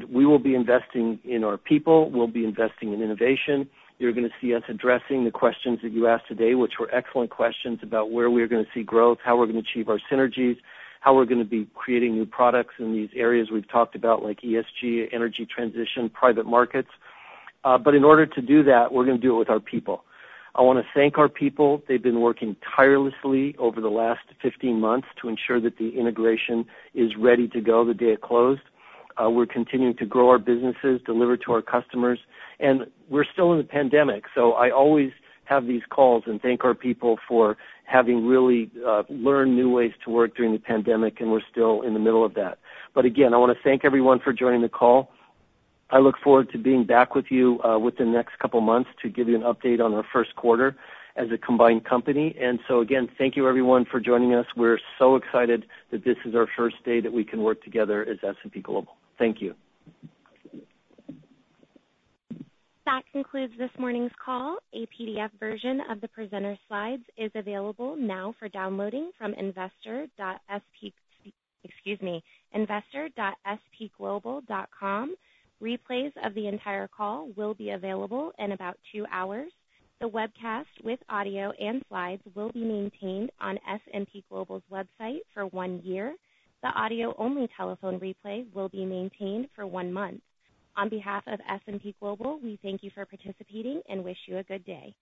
We will be investing in our people. We'll be investing in innovation. You're going to see us addressing the questions that you asked today, which were excellent questions about where we're going to see growth, how we're going to achieve our synergies, how we're going to be creating new products in these areas we've talked about, like ESG, energy transition, private markets. But in order to do that, we're going to do it with our people. I want to thank our people. They've been working tirelessly over the last 15 months to ensure that the integration is ready to go the day it closed. We're continuing to grow our businesses, deliver to our customers, and we're still in the pandemic. I always have these calls and thank our people for having really learned new ways to work during the pandemic, and we're still in the middle of that. I want to thank everyone for joining the call. I look forward to being back with you within the next couple of months to give you an update on our first quarter as a combined company. Again, thank you everyone for joining us. We're so excited that this is our first day that we can work together as S&P Global. Thank you. That concludes this morning's call. A PDF version of the presenter's slides is available now for downloading from investor.spglobal.com. Replays of the entire call will be available in about two hours. The webcast with audio and slides will be maintained on S&P Global's website for one year. The audio-only telephone replay will be maintained for one month. On behalf of S&P Global, we thank you for participating and wish you a good day.